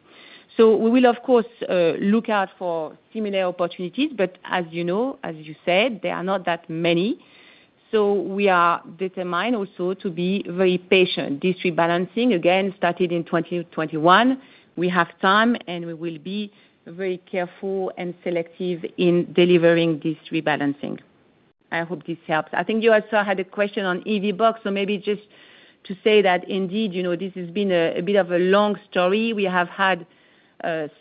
So we will, of course, look out for similar opportunities, but as you know, as you said, there are not that many. So we are determined also to be very patient. This rebalancing, again, started in 2021. We have time, and we will be very careful and selective in delivering this rebalancing. I hope this helps. I think you also had a question on EVBox, so maybe just to say that indeed, you know, this has been a bit of a long story. We have had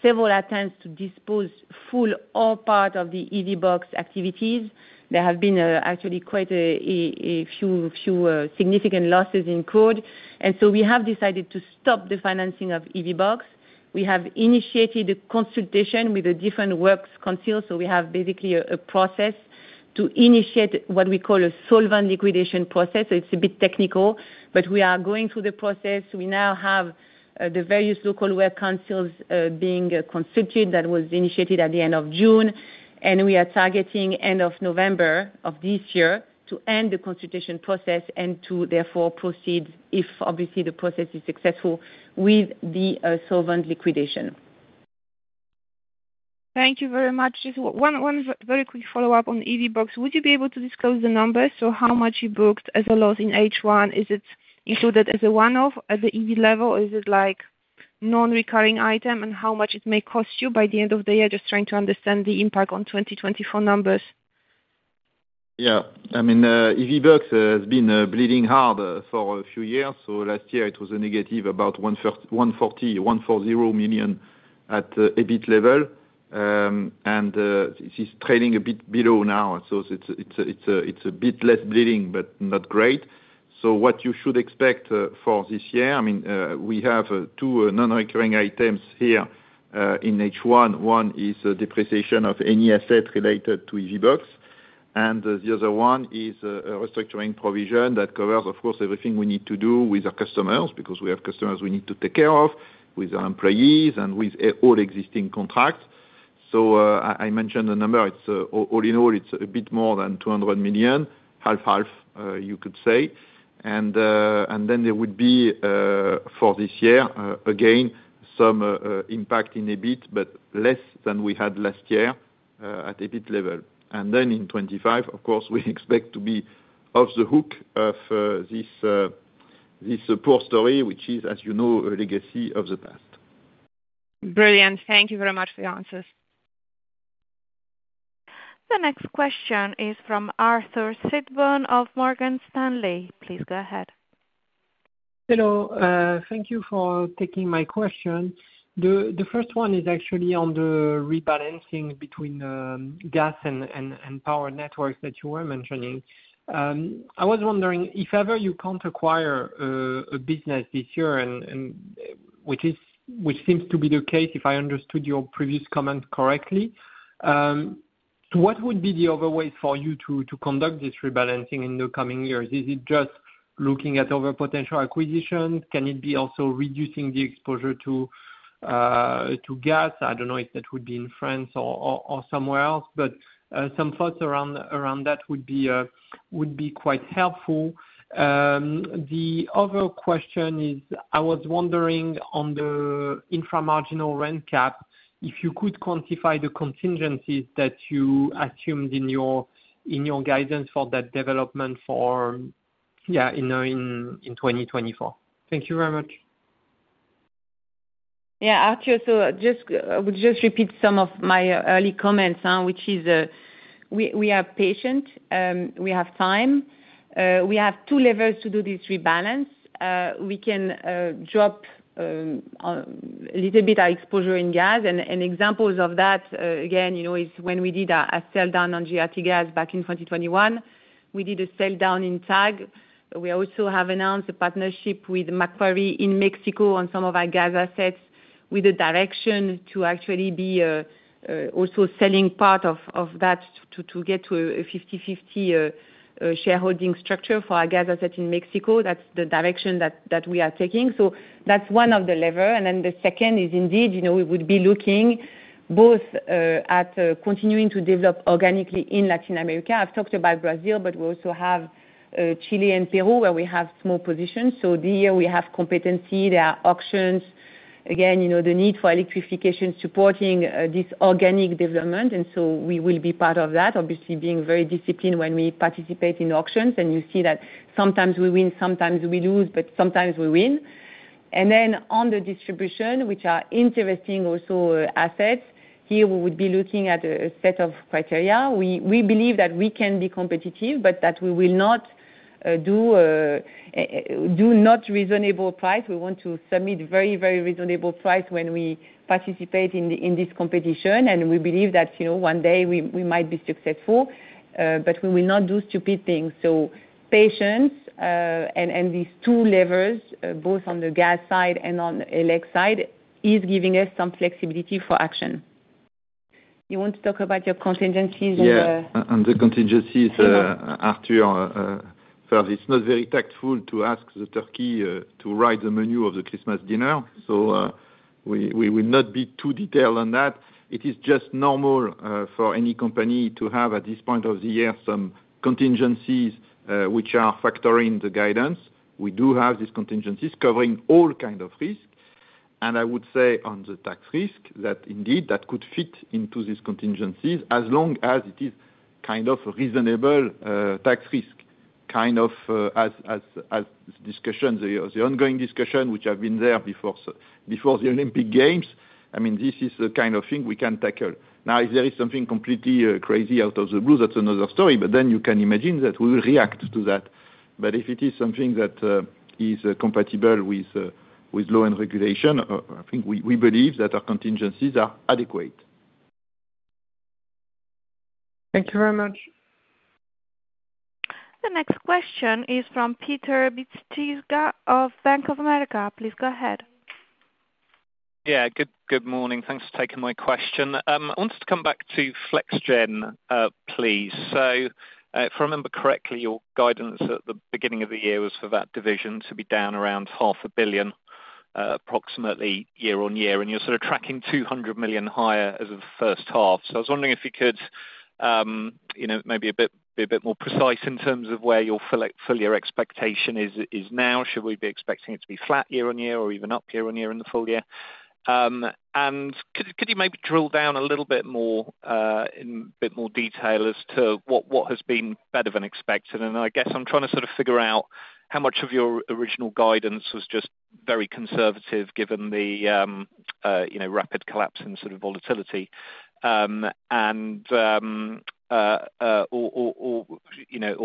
several attempts to dispose full or part of the EVBox activities. There have been actually quite a few significant losses incurred, and so we have decided to stop the financing of EVBox. We have initiated a consultation with the different works council, so we have basically a process to initiate what we call a solvent liquidation process. It's a bit technical, but we are going through the process. We now have the various local work councils being consulted. That was initiated at the end of June, and we are targeting end of November of this year to end the consultation process and to therefore proceed, if obviously the process is successful, with the solvent liquidation. Thank you very much. Just one, one very quick follow-up on EVBox. Would you be able to disclose the numbers? So how much you booked as a loss in H1? Is it included as a one-off at the EV level, or is it like non-recurring item, and how much it may cost you by the end of the year? Just trying to understand the impact on 2024 numbers. Yeah, I mean, EVBox has been bleeding hard for a few years. So last year it was a negative, about 140 million at EBIT level. And it is trading a bit below now, so it's a bit less bleeding, but not great. So what you should expect for this year, I mean, we have two non-recurring items here in H1. One is a depreciation of any asset related to EVBox, and the other one is a restructuring provision that covers, of course, everything we need to do with our customers, because we have customers we need to take care of, with our employees, and with all existing contracts. So, I mentioned the number, it's all in all, it's a bit more than 200 million, half-half, you could say. And then there would be for this year, again, some impact in EBIT, but less than we had last year at EBIT level. And then in 2025, of course, we expect to be off the hook of this support story, which is, as you know, a legacy of the past. Brilliant. Thank you very much for the answers. The next question is from Arthur Sitbon of Morgan Stanley. Please go ahead. Hello. Thank you for taking my question. The first one is actually on the rebalancing between gas and power networks that you were mentioning. I was wondering if ever you can't acquire a business this year and which seems to be the case, if I understood your previous comment correctly. So what would be the other way for you to conduct this rebalancing in the coming years? Is it just looking at other potential acquisitions? Can it be also reducing the exposure to gas? I don't know if that would be in France or somewhere else, but some thoughts around that would be quite helpful. The other question is, I was wondering on the infra-marginal tax, if you could quantify the contingencies that you assumed in your, in your guidance for that development for, yeah, you know, in, in 2024. Thank you very much. Yeah, Arthur, so just, I would just repeat some of my early comments now, which is, we are patient, we have time, we have two levers to do this rebalance. We can drop a little bit our exposure in gas. And examples of that, again, you know, is when we did a sell down on GRTgaz back in 2021, we did a sell down in TAG. We also have announced a partnership with Macquarie in Mexico on some of our gas assets, with a direction to actually be also selling part of that to get to a 50/50 shareholding structure for our gas asset in Mexico. That's the direction that we are taking. So that's one of the levers. And then the second is indeed, you know, we would be looking both at continuing to develop organically in Latin America. I've talked about Brazil, but we also have Chile and Peru, where we have small positions. So there we have competency. There are auctions. Again, you know, the need for electrification supporting this organic development, and so we will be part of that, obviously being very disciplined when we participate in auctions. And you see that sometimes we win, sometimes we lose, but sometimes we win. And then on the distribution, which are interesting also assets, here, we would be looking at a set of criteria. We believe that we can be competitive, but that we will not do not reasonable price. We want to submit very, very reasonable price when we participate in this competition, and we believe that, you know, one day we might be successful, but we will not do stupid things. So patience, and these two levers, both on the gas side and on elect side, is giving us some flexibility for action. You want to talk about your contingencies and, Yeah, on the contingencies, after, first, it's not very tactful to ask the turkey to write the menu of the Christmas dinner, so, we, we will not be too detailed on that. It is just normal for any company to have, at this point of the year, some contingencies, which are factoring the guidance. We do have these contingencies covering all kind of risks. And I would say, on the tax risk, that indeed that could fit into these contingencies, as long as it is kind of reasonable tax risk, kind of, as discussion, the ongoing discussion which have been there before before the Olympic Games. I mean, this is the kind of thing we can tackle. Now, if there is something completely crazy out of the blue, that's another story, but then you can imagine that we will react to that. But if it is something that is compatible with law and regulation, I think we believe that our contingencies are adequate. Thank you very much. The next question is from Peter Bisztyga of Bank of America. Please go ahead. Yeah, good morning. Thanks for taking my question. I wanted to come back to Flex Gen, please. So, if I remember correctly, your guidance at the beginning of the year was for that division to be down around 500 million, approximately year-over-year, and you're sort of tracking 200 million higher as of the first half. So I was wondering if you could, you know, maybe be a bit more precise in terms of where your full year expectation is now. Should we be expecting it to be flat year-over-year or even up year-over-year in the full year? And could you maybe drill down a little bit more in a bit more detail as to what has been better than expected? I guess I'm trying to sort of figure out how much of your original guidance was just very conservative, given the, you know, rapid collapse and sort of volatility. Or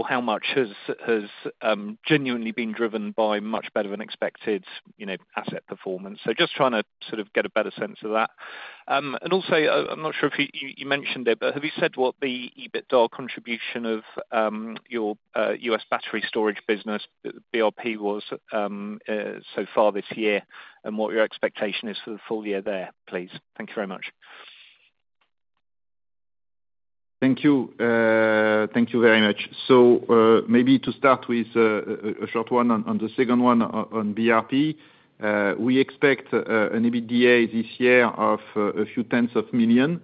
how much has genuinely been driven by much better than expected, you know, asset performance. So just trying to sort of get a better sense of that. And also, I'm not sure if you mentioned it, but have you said what the EBITDA contribution of your U.S. battery storage business, BRP was so far this year? And what your expectation is for the full year there, please? Thank you very much. Thank you. Thank you very much. So, maybe to start with, a short one on the second one, on BRP. We expect an EBITDA this year of a few tenths of million.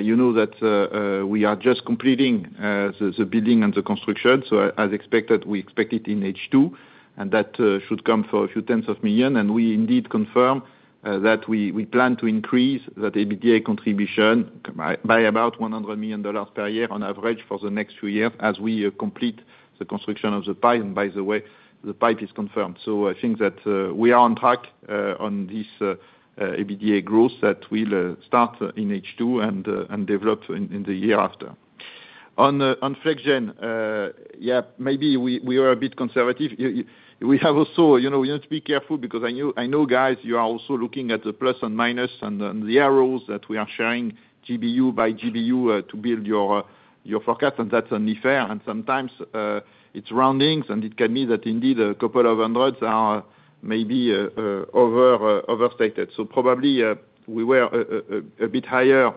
You know, that we are just completing the building and the construction, so as expected, we expect it in H2, and that should come for a few tenths of million. And we indeed confirm that we plan to increase that EBITDA contribution by about $100 million per year on average for the next few years, as we complete the construction of the pipe. And by the way, the pipe is confirmed. So I think that we are on track on this EBITDA growth that will start in H2 and develop in the year after. On Flex Gen, yeah, maybe we are a bit conservative. We have also, you know, we have to be careful because I know, guys, you are also looking at the plus and minus and the arrows that we are sharing GBU by GBU to build your forecast, and that's only fair, and sometimes it's rounding, and it can be that indeed a couple of hundreds are maybe overstated. So probably we were a bit higher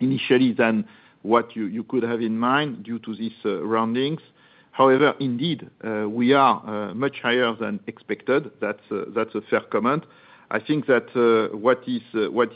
initially than what you could have in mind due to this rounding. However, indeed, we are much higher than expected. That's a fair comment. I think that what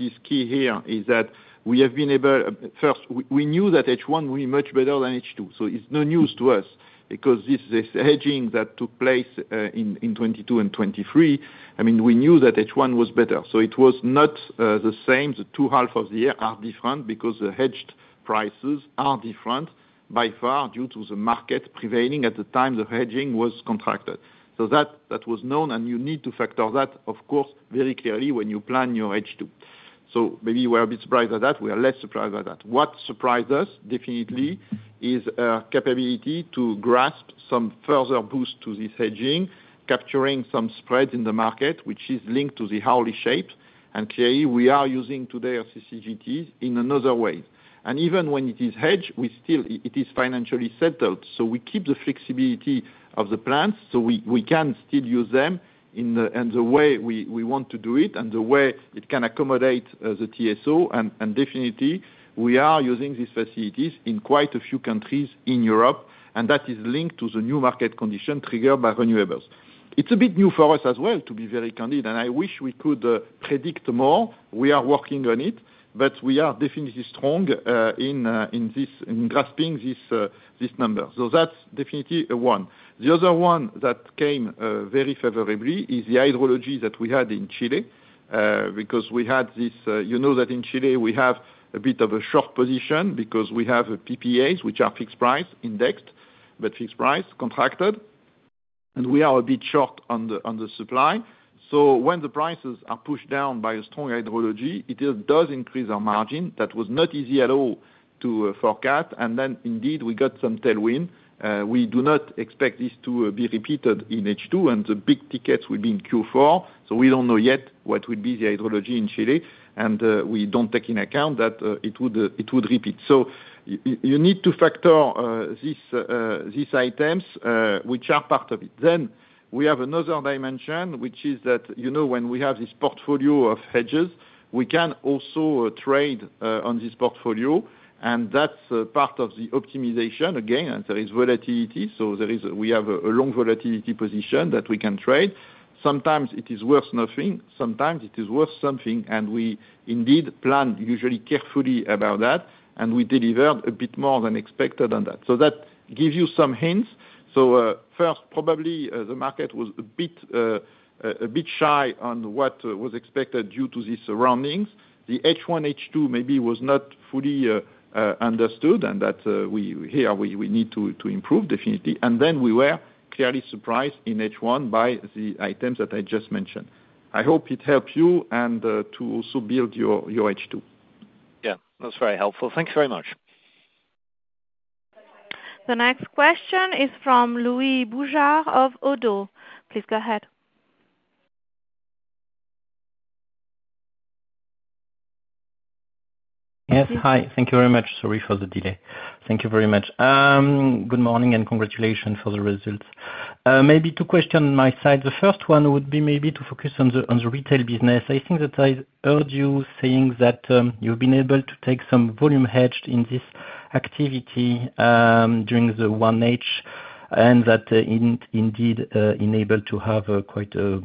is key here is that we have been able. First, we knew that H1 will be much better than H2, so it's no news to us because this hedging that took place in 2022 and 2023, I mean, we knew that H1 was better. So it was not the same. The two halves of the year are different because the hedged prices are different by far due to the market prevailing at the time the hedging was contracted. So that was known, and you need to factor that, of course, very clearly when you plan your H2. So maybe we're a bit surprised at that. We are less surprised by that. What surprised us, definitely, is capability to grasp some further boost to this hedging, capturing some spreads in the market, which is linked to the hourly shape. And clearly, we are using today our CCGTs in another way. And even when it is hedged, we still. It is financially settled, so we keep the flexibility of the plants, so we can still use them in the way we want to do it and the way it can accommodate the TSO. And definitely, we are using these facilities in quite a few countries in Europe, and that is linked to the new market condition triggered by renewables. It's a bit new for us as well, to be very candid, and I wish we could predict more. We are working on it, but we are definitely strong in this, in grasping this number. So that's definitely one. The other one that came very favorably is the hydrology that we had in Chile, because we had this. You know that in Chile, we have a bit of a short position because we have PPAs, which are fixed price, indexed, but fixed price contracted, and we are a bit short on the supply. So when the prices are pushed down by a strong hydrology, it does increase our margin. That was not easy at all to forecast. And then indeed, we got some tailwind. We do not expect this to be repeated in H2, and the big tickets will be in Q4, so we don't know yet what would be the hydrology in Chile, and we don't take in account that it would repeat. So you need to factor these items, which are part of it. Then we have another dimension, which is that, you know, when we have this portfolio of hedges, we can also trade on this portfolio, and that's a part of the optimization, again, and there is volatility. So there is, we have a long volatility position that we can trade. Sometimes it is worth nothing, sometimes it is worth something, and we indeed plan usually carefully about that, and we deliver a bit more than expected on that. So that gives you some hints. So, first, probably, the market was a bit shy on what was expected due to the surroundings. The H1, H2 maybe was not fully understood, and that we here need to improve, definitely. And then we were clearly surprised in H1 by the items that I just mentioned. I hope it helps you and to also build your H2. Yeah, that's very helpful. Thank you very much. The next question is from Louis Boujard of ODDO. Please go ahead. Yes, hi. Thank you very much. Sorry for the delay. Thank you very much. Good morning, and congratulations for the results. Maybe two questions on my side. The first one would be maybe to focus on the, on the retail business. I think that I heard you saying that you've been able to take some volume hedged in this activity during the 1H, and that indeed enabled to have quite a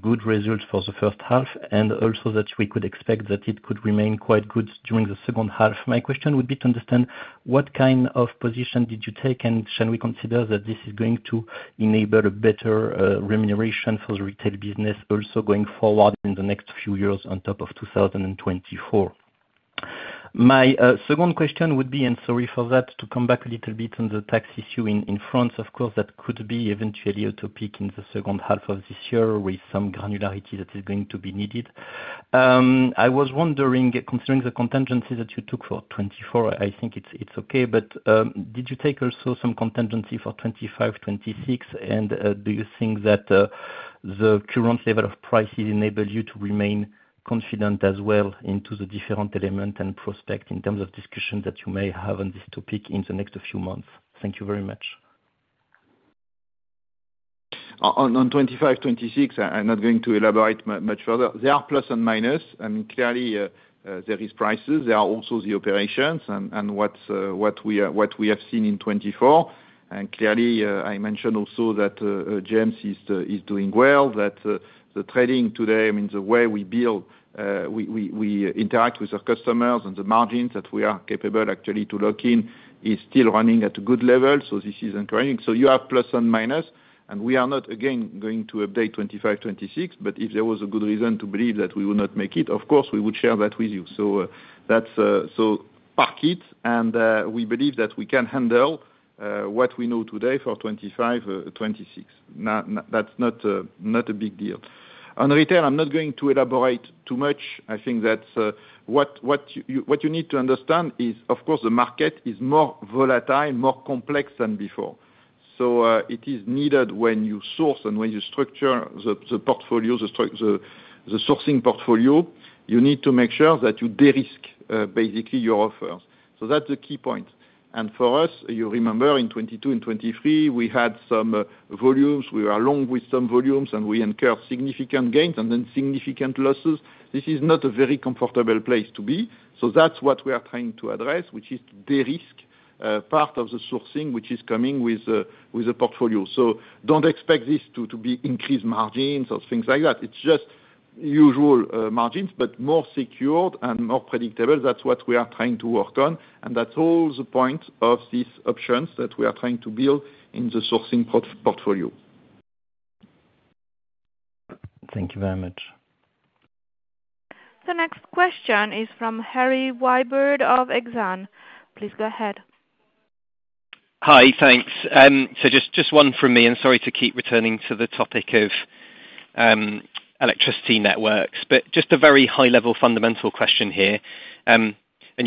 good result for the first half, and also that we could expect that it could remain quite good during the second half. My question would be to understand what kind of position did you take, and shall we consider that this is going to enable a better remuneration for the retail business also going forward in the next few years on top of 2024? My second question would be, and sorry for that, to come back a little bit on the tax issue in France. Of course, that could be eventually to peak in the second half of this year with some granularity that is going to be needed. I was wondering, considering the contingency that you took for 2024, I think it's, it's okay, but, did you take also some contingency for 2025, 2026? And, do you think that, the current level of prices enable you to remain confident as well into the different element and prospect in terms of discussion that you may have on this topic in the next few months? Thank you very much. On 2025, 2026, I'm not going to elaborate much further. There are plus and minus, and clearly, there is prices. There are also the operations and what we have seen in 2024. And clearly, I mentioned also that GEMS is doing well. That the trading today, I mean, the way we build, we interact with our customers and the margins that we are capable actually to lock in, is still running at a good level, so this is encouraging. So you have plus and minus, and we are not, again, going to update 2025, 2026, but if there was a good reason to believe that we would not make it, of course, we would share that with you. So, that's... So pack it, and we believe that we can handle what we know today for 2025, 2026. That's not a, not a big deal. On retail, I'm not going to elaborate too much. I think that what, what you, what you need to understand is, of course, the market is more volatile, more complex than before. .So, it is needed when you source and when you structure the portfolio, the sourcing portfolio, you need to make sure that you de-risk basically your offers. So that's the key point. And for us, you remember, in 2022 and 2023, we had some volumes. We were along with some volumes, and we incurred significant gains and then significant losses. This is not a very comfortable place to be. So that's what we are trying to address, which is de-risk part of the sourcing, which is coming with the portfolio. So don't expect this to be increased margins or things like that. It's just usual margins, but more secured and more predictable. That's what we are trying to work on, and that's all the point of these options that we are trying to build in the sourcing portfolio. Thank you very much. The next question is from Harry Wyburd of Exane. Please go ahead. Hi, thanks. So just, just one from me, and sorry to keep returning to the topic of electricity networks, but just a very high-level, fundamental question here. And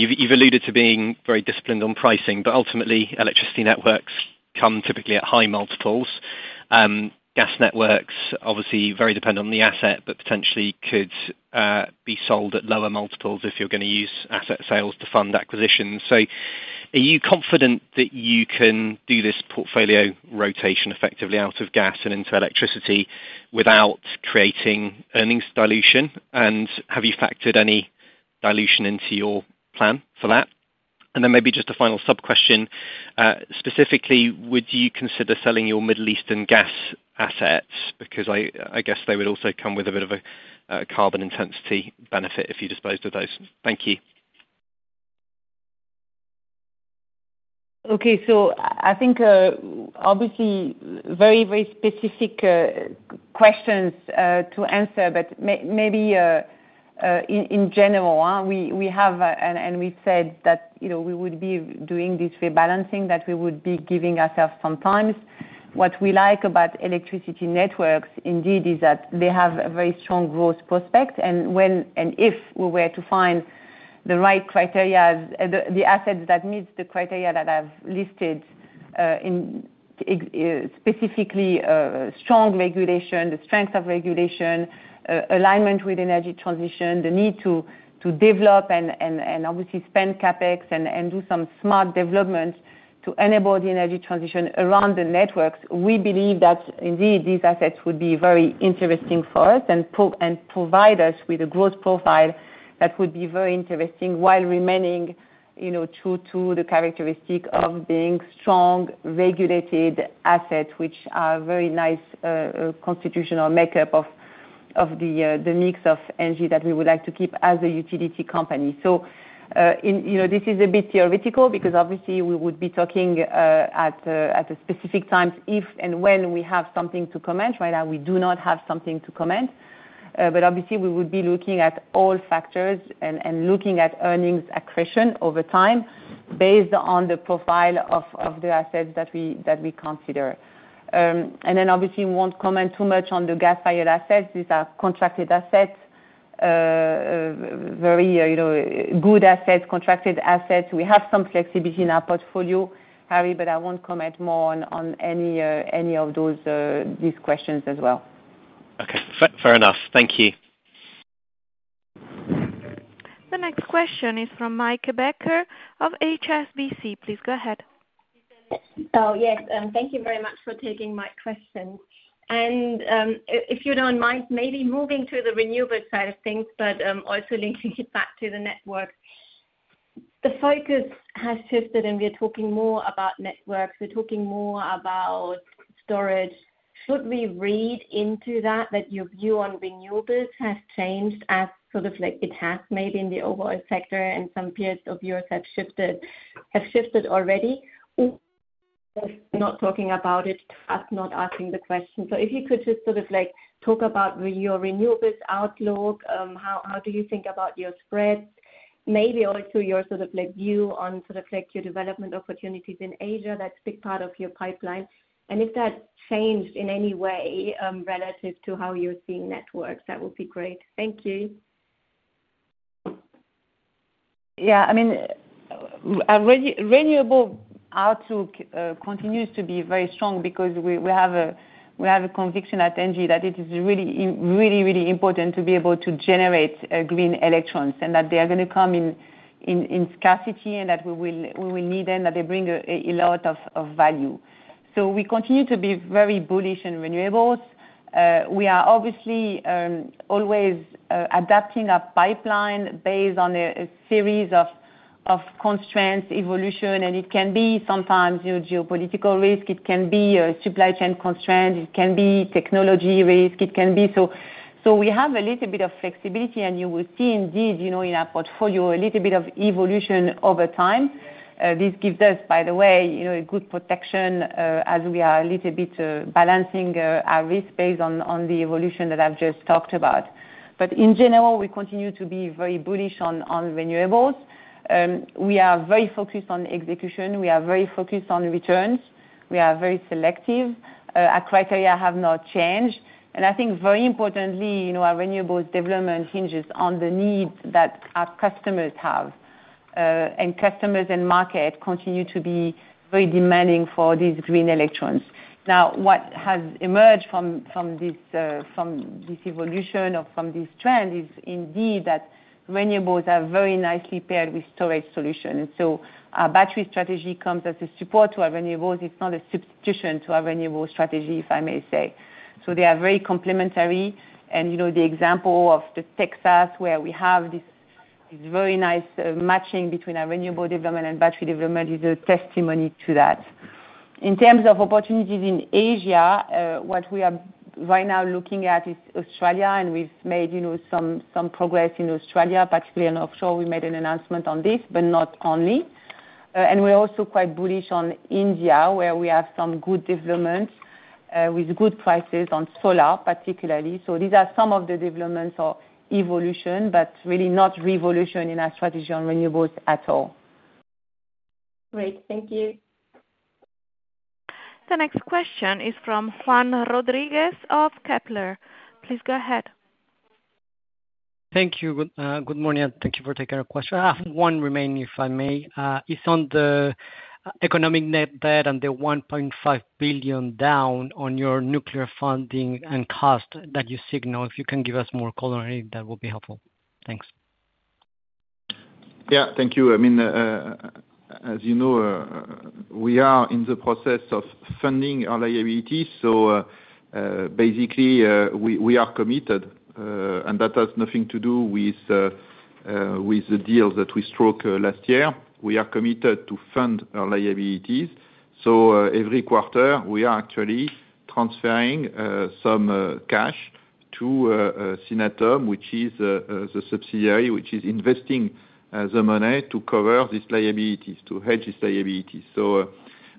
you've, you've alluded to being very disciplined on pricing, but ultimately, electricity networks come typically at high multiples. Gas networks, obviously very dependent on the asset, but potentially could be sold at lower multiples if you're gonna use asset sales to fund acquisitions. So are you confident that you can do this portfolio rotation effectively out of gas and into electricity without creating earnings dilution? And have you factored any dilution into your plan for that? And then maybe just a final sub-question, specifically, would you consider selling your Middle Eastern gas assets? Because I, I guess they would also come with a bit of a, a carbon intensity benefit if you disposed of those. Thank you. Okay, so I think, obviously, very, very specific questions to answer, but maybe, in general, we have, and we've said that, you know, we would be doing this rebalancing, that we would be giving ourselves some times. What we like about electricity networks, indeed, is that they have a very strong growth prospect, and when and if we were to find the right criteria, the assets that meets the criteria that I've listed, in specifically, strong regulation, the strength of regulation, alignment with energy transition, the need to develop and obviously spend CapEx and do some smart development to enable the energy transition around the networks. We believe that, indeed, these assets would be very interesting for us, and provide us with a growth profile that would be very interesting, while remaining, you know, true to the characteristic of being strong, regulated assets, which are very nice, constitutional makeup of the mix of energy that we would like to keep as a utility company. So, you know, this is a bit theoretical, because obviously we would be talking at a specific times, if and when we have something to comment. Right now, we do not have something to comment, but obviously we would be looking at all factors and looking at earnings accretion over time, based on the profile of the assets that we consider. And then obviously, we won't comment too much on the gas-fired assets. These are contracted assets, very, you know, good assets, contracted assets. We have some flexibility in our portfolio, Harry, but I won't comment more on any of those, these questions as well. Okay, fair, fair enough. Thank you. The next question is from Meike Becker of HSBC. Please go ahead. Oh, yes, thank you very much for taking my question. And, if you don't mind maybe moving to the renewable side of things, but, also linking it back to the network. The focus has shifted, and we are talking more about networks. We're talking more about storage. Should we read into that, that your view on Renewables has changed as sort of like it has maybe in the overall sector, and some peers of yours have shifted, have shifted already? Not talking about it, us not asking the question. So if you could just sort of, like, talk about your renewables outlook, how, how do you think about your spreads? Maybe also your sort of, like, view on sort of, like, your development opportunities in Asia, that's big part of your pipeline, and if that changed in any way, relative to how you're seeing networks, that would be great. Thank you. Yeah, I mean, Renewable outlook continues to be very strong because we have a conviction at ENGIE that it is really, really important to be able to generate green electrons, and that they are gonna come in scarcity, and that we will need them, that they bring a lot of value. So we continue to be very bullish in Renewables. We are obviously always adapting our pipeline based on a series of constraints, evolution, and it can be sometimes your geopolitical risk, it can be a supply chain constraint, it can be technology risk, it can be... So we have a little bit of flexibility, and you will see indeed, you know, in our portfolio, a little bit of evolution over time. This gives us, by the way, you know, a good protection, as we are a little bit balancing our risk based on, on the evolution that I've just talked about.... but in general, we continue to be very bullish on, on Renewables. We are very focused on execution, we are very focused on returns, we are very selective, our criteria have not changed. And I think very importantly, you know, our Renewables development hinges on the needs that our customers have. And customers and market continue to be very demanding for these green electrons. Now, what has emerged from, from this, from this evolution or from this trend, is indeed that Renewables are very nicely paired with storage solution. So our battery strategy comes as a support to our Renewables, it's not a substitution to our Renewables strategy, if I may say. So they are very complementary, and, you know, the example of the Texas, where we have this very nice matching between our renewable development and battery development, is a testimony to that. In terms of opportunities in Asia, what we are right now looking at is Australia, and we've made, you know, some progress in Australia, particularly in offshore. We made an announcement on this, but not only. And we're also quite bullish on India, where we have some good development with good prices on solar, particularly. So these are some of the developments or evolution, but really not revolution in our strategy on Renewables at all. Great, thank you. The next question is from Juan Rodriguez of Kepler. Please go ahead. Thank you. Good morning, and thank you for taking our question. I have one remaining, if I may. It's on the economic net debt and the 1.5 billion down on your nuclear funding and cost that you signal. If you can give us more color, that will be helpful. Thanks. Yeah, thank you. I mean, as you know, we are in the process of funding our liabilities, so, basically, we are committed, and that has nothing to do with the deals that we struck last year. We are committed to fund our liabilities, so every quarter, we are actually transferring some cash to Synatom, which is the subsidiary, which is investing the money to cover these liabilities, to hedge these liabilities. So,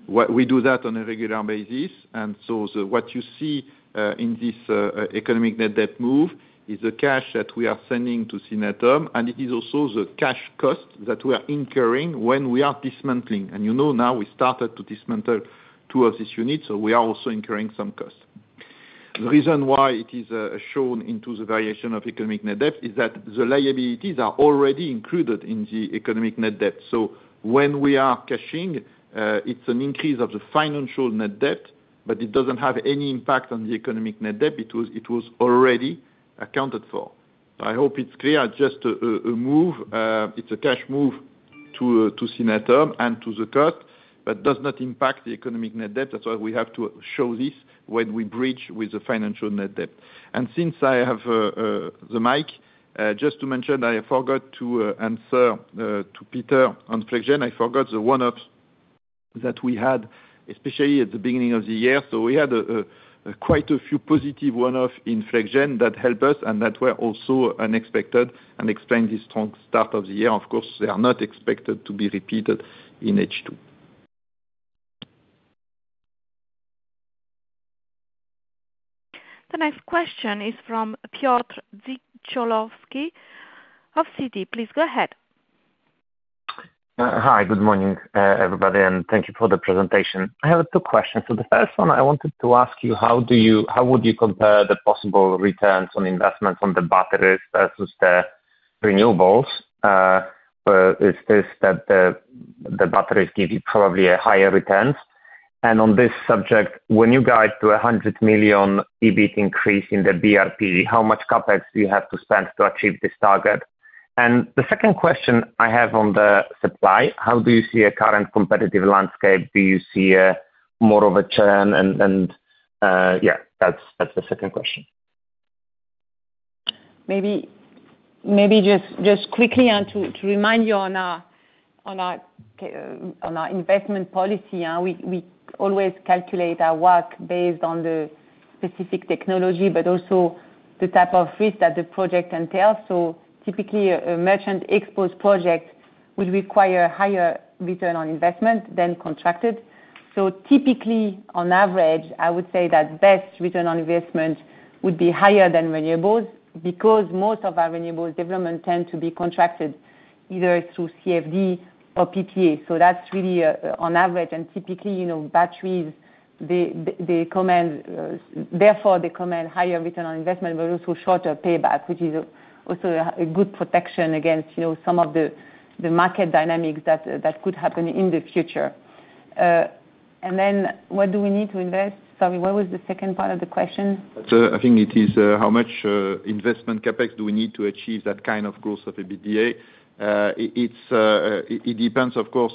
we do that on a regular basis, and so what you see in this economic net debt move, is the cash that we are sending to Synatom, and it is also the cash cost that we are incurring when we are dismantling. You know, now we started to dismantle two of these units, so we are also incurring some costs. The reason why it is shown into the variation of economic net debt is that the liabilities are already included in the economic net debt. So when we are cashing, it's an increase of the financial net debt, but it doesn't have any impact on the economic net debt. It was already accounted for. I hope it's clear, just a move, it's a cash move to Synatom and to the cost, but does not impact the economic net debt. That's why we have to show this when we bridge with the financial net debt. And since I have the mic, just to mention, I forgot to answer to Peter on Flex Gen. I forgot the one-offs that we had, especially at the beginning of the year. So we had, quite a few positive one-off in Flex Gen that helped us and that were also unexpected and explained this strong start of the year. Of course, they are not expected to be repeated in H2. The next question is from Piotr Dzieciołowski of Citi. Please go ahead. Hi, good morning, everybody, and thank you for the presentation. I have two questions. So the first one I wanted to ask you, how would you compare the possible returns on investment from the batteries versus the renewables? Is this that the batteries give you probably a higher returns? And on this subject, when you guide to a 100 million EBIT increase in the BRP, how much CapEx do you have to spend to achieve this target? And the second question I have on the supply, how do you see a current competitive landscape? Do you see a more of a churn and, that's the second question. Maybe just quickly, and to remind you on our investment policy, we always calculate our work based on the specific technology, but also the type of risk that the project entails. So typically, a merchant exposed project will require higher return on investment than contracted. So typically, on average, I would say that best return on investment would be higher than Renewables, because most of our Renewables development tend to be contracted either through CFD or PPA. So that's really on average, and typically, you know, batteries, they command... Therefore, they command higher return on investment, but also shorter payback, which is also a good protection against, you know, some of the market dynamics that could happen in the future. And then what do we need to invest? Sorry, what was the second part of the question? So I think it is, how much investment CapEx do we need to achieve that kind of growth of EBITDA? It depends, of course,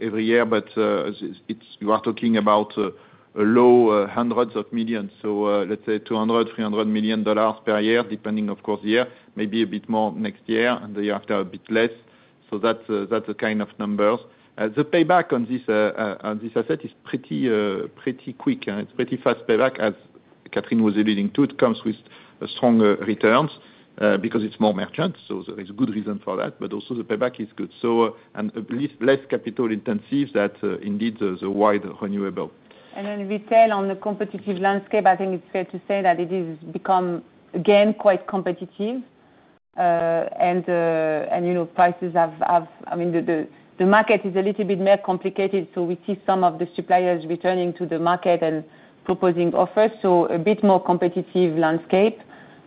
every year, but as it's, you are talking about a low hundreds of millions. So, let's say $200 million-$300 million per year, depending, of course, on the year. Maybe a bit more next year, and the year after, a bit less. So that's, that's the kind of numbers. The payback on this asset is pretty quick, and it's pretty fast payback, as Catherine was alluding to. It comes with stronger returns, because it's more merchant, so there is a good reason for that, but also the payback is good. And at least less capital-intensive that indeed is a wide renewable. And then retail on the competitive landscape, I think it's fair to say that it is become, again, quite competitive. You know, prices have-- I mean, the market is a little bit more complicated, so we see some of the suppliers returning to the market and proposing offers, so a bit more competitive landscape.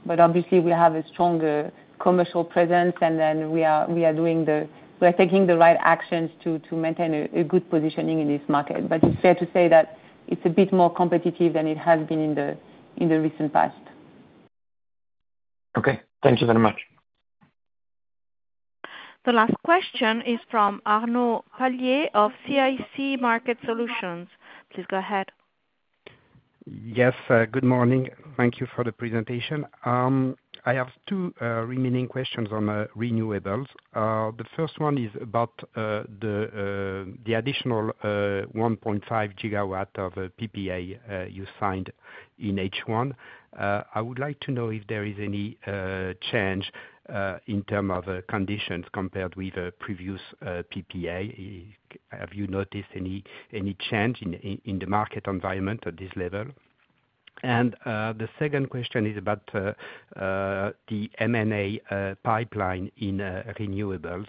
But obviously, we have a stronger commercial presence, and then we are taking the right actions to maintain a good positioning in this market. But it's fair to say that it's a bit more competitive than it has been in the recent past. Okay. Thank you very much. The last question is from Arnaud Palliez of CIC Market Solutions. Please go ahead. Yes, good morning. Thank you for the presentation. I have two remaining questions on Renewables. The first one is about the additional 1.5 GW of PPA you signed in H1. I would like to know if there is any change in terms of conditions compared with previous PPA. Have you noticed any change in the market environment at this level? And the second question is about the M&A pipeline in Renewables.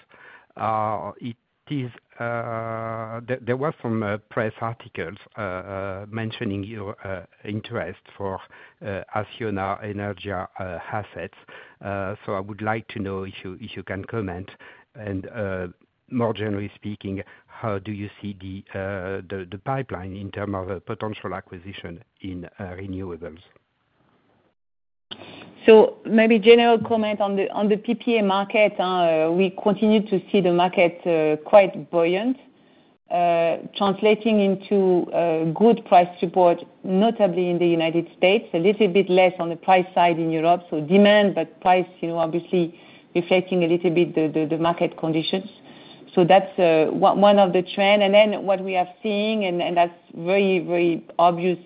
It is... There were some press articles mentioning your interest for Acciona Energía assets. So I would like to know if you can comment, and more generally speaking, how do you see the pipeline in terms of a potential acquisition in renewables? So maybe a general comment on the PPA market, we continue to see the market quite buoyant, translating into good price support, notably in the United States. A little bit less on the price side in Europe, so demand, but price, you know, obviously reflecting a little bit the market conditions. So that's one of the trend. And then what we are seeing, and that's very, very obvious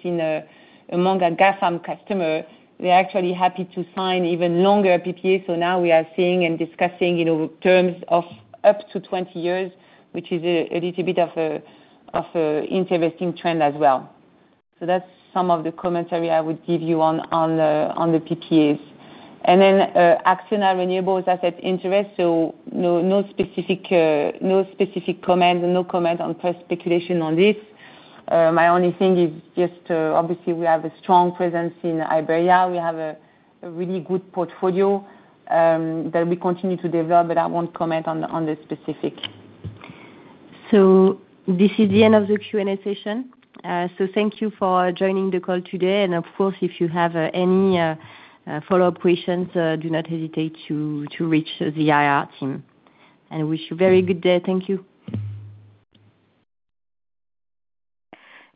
among our GAFAM customer, we're actually happy to sign even longer PPAs. So now we are seeing and discussing, you know, terms of up to 20 years, which is a little bit of a interesting trend as well. So that's some of the commentary I would give you on the PPAs. And then, Acciona Energía asset interest, so no, no specific, no specific comment, and no comment on press speculation on this. My only thing is just, obviously we have a strong presence in Iberia. We have a really good portfolio, that we continue to develop, but I won't comment on the specific. So this is the end of the Q&A session. So thank you for joining the call today. And of course, if you have any follow-up questions, do not hesitate to reach the IR team. I wish you a very good day. Thank you.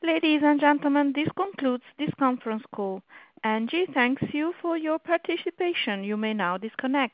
Ladies and gentlemen, this concludes this conference call. ENGIE thanks you for your participation. You may now disconnect.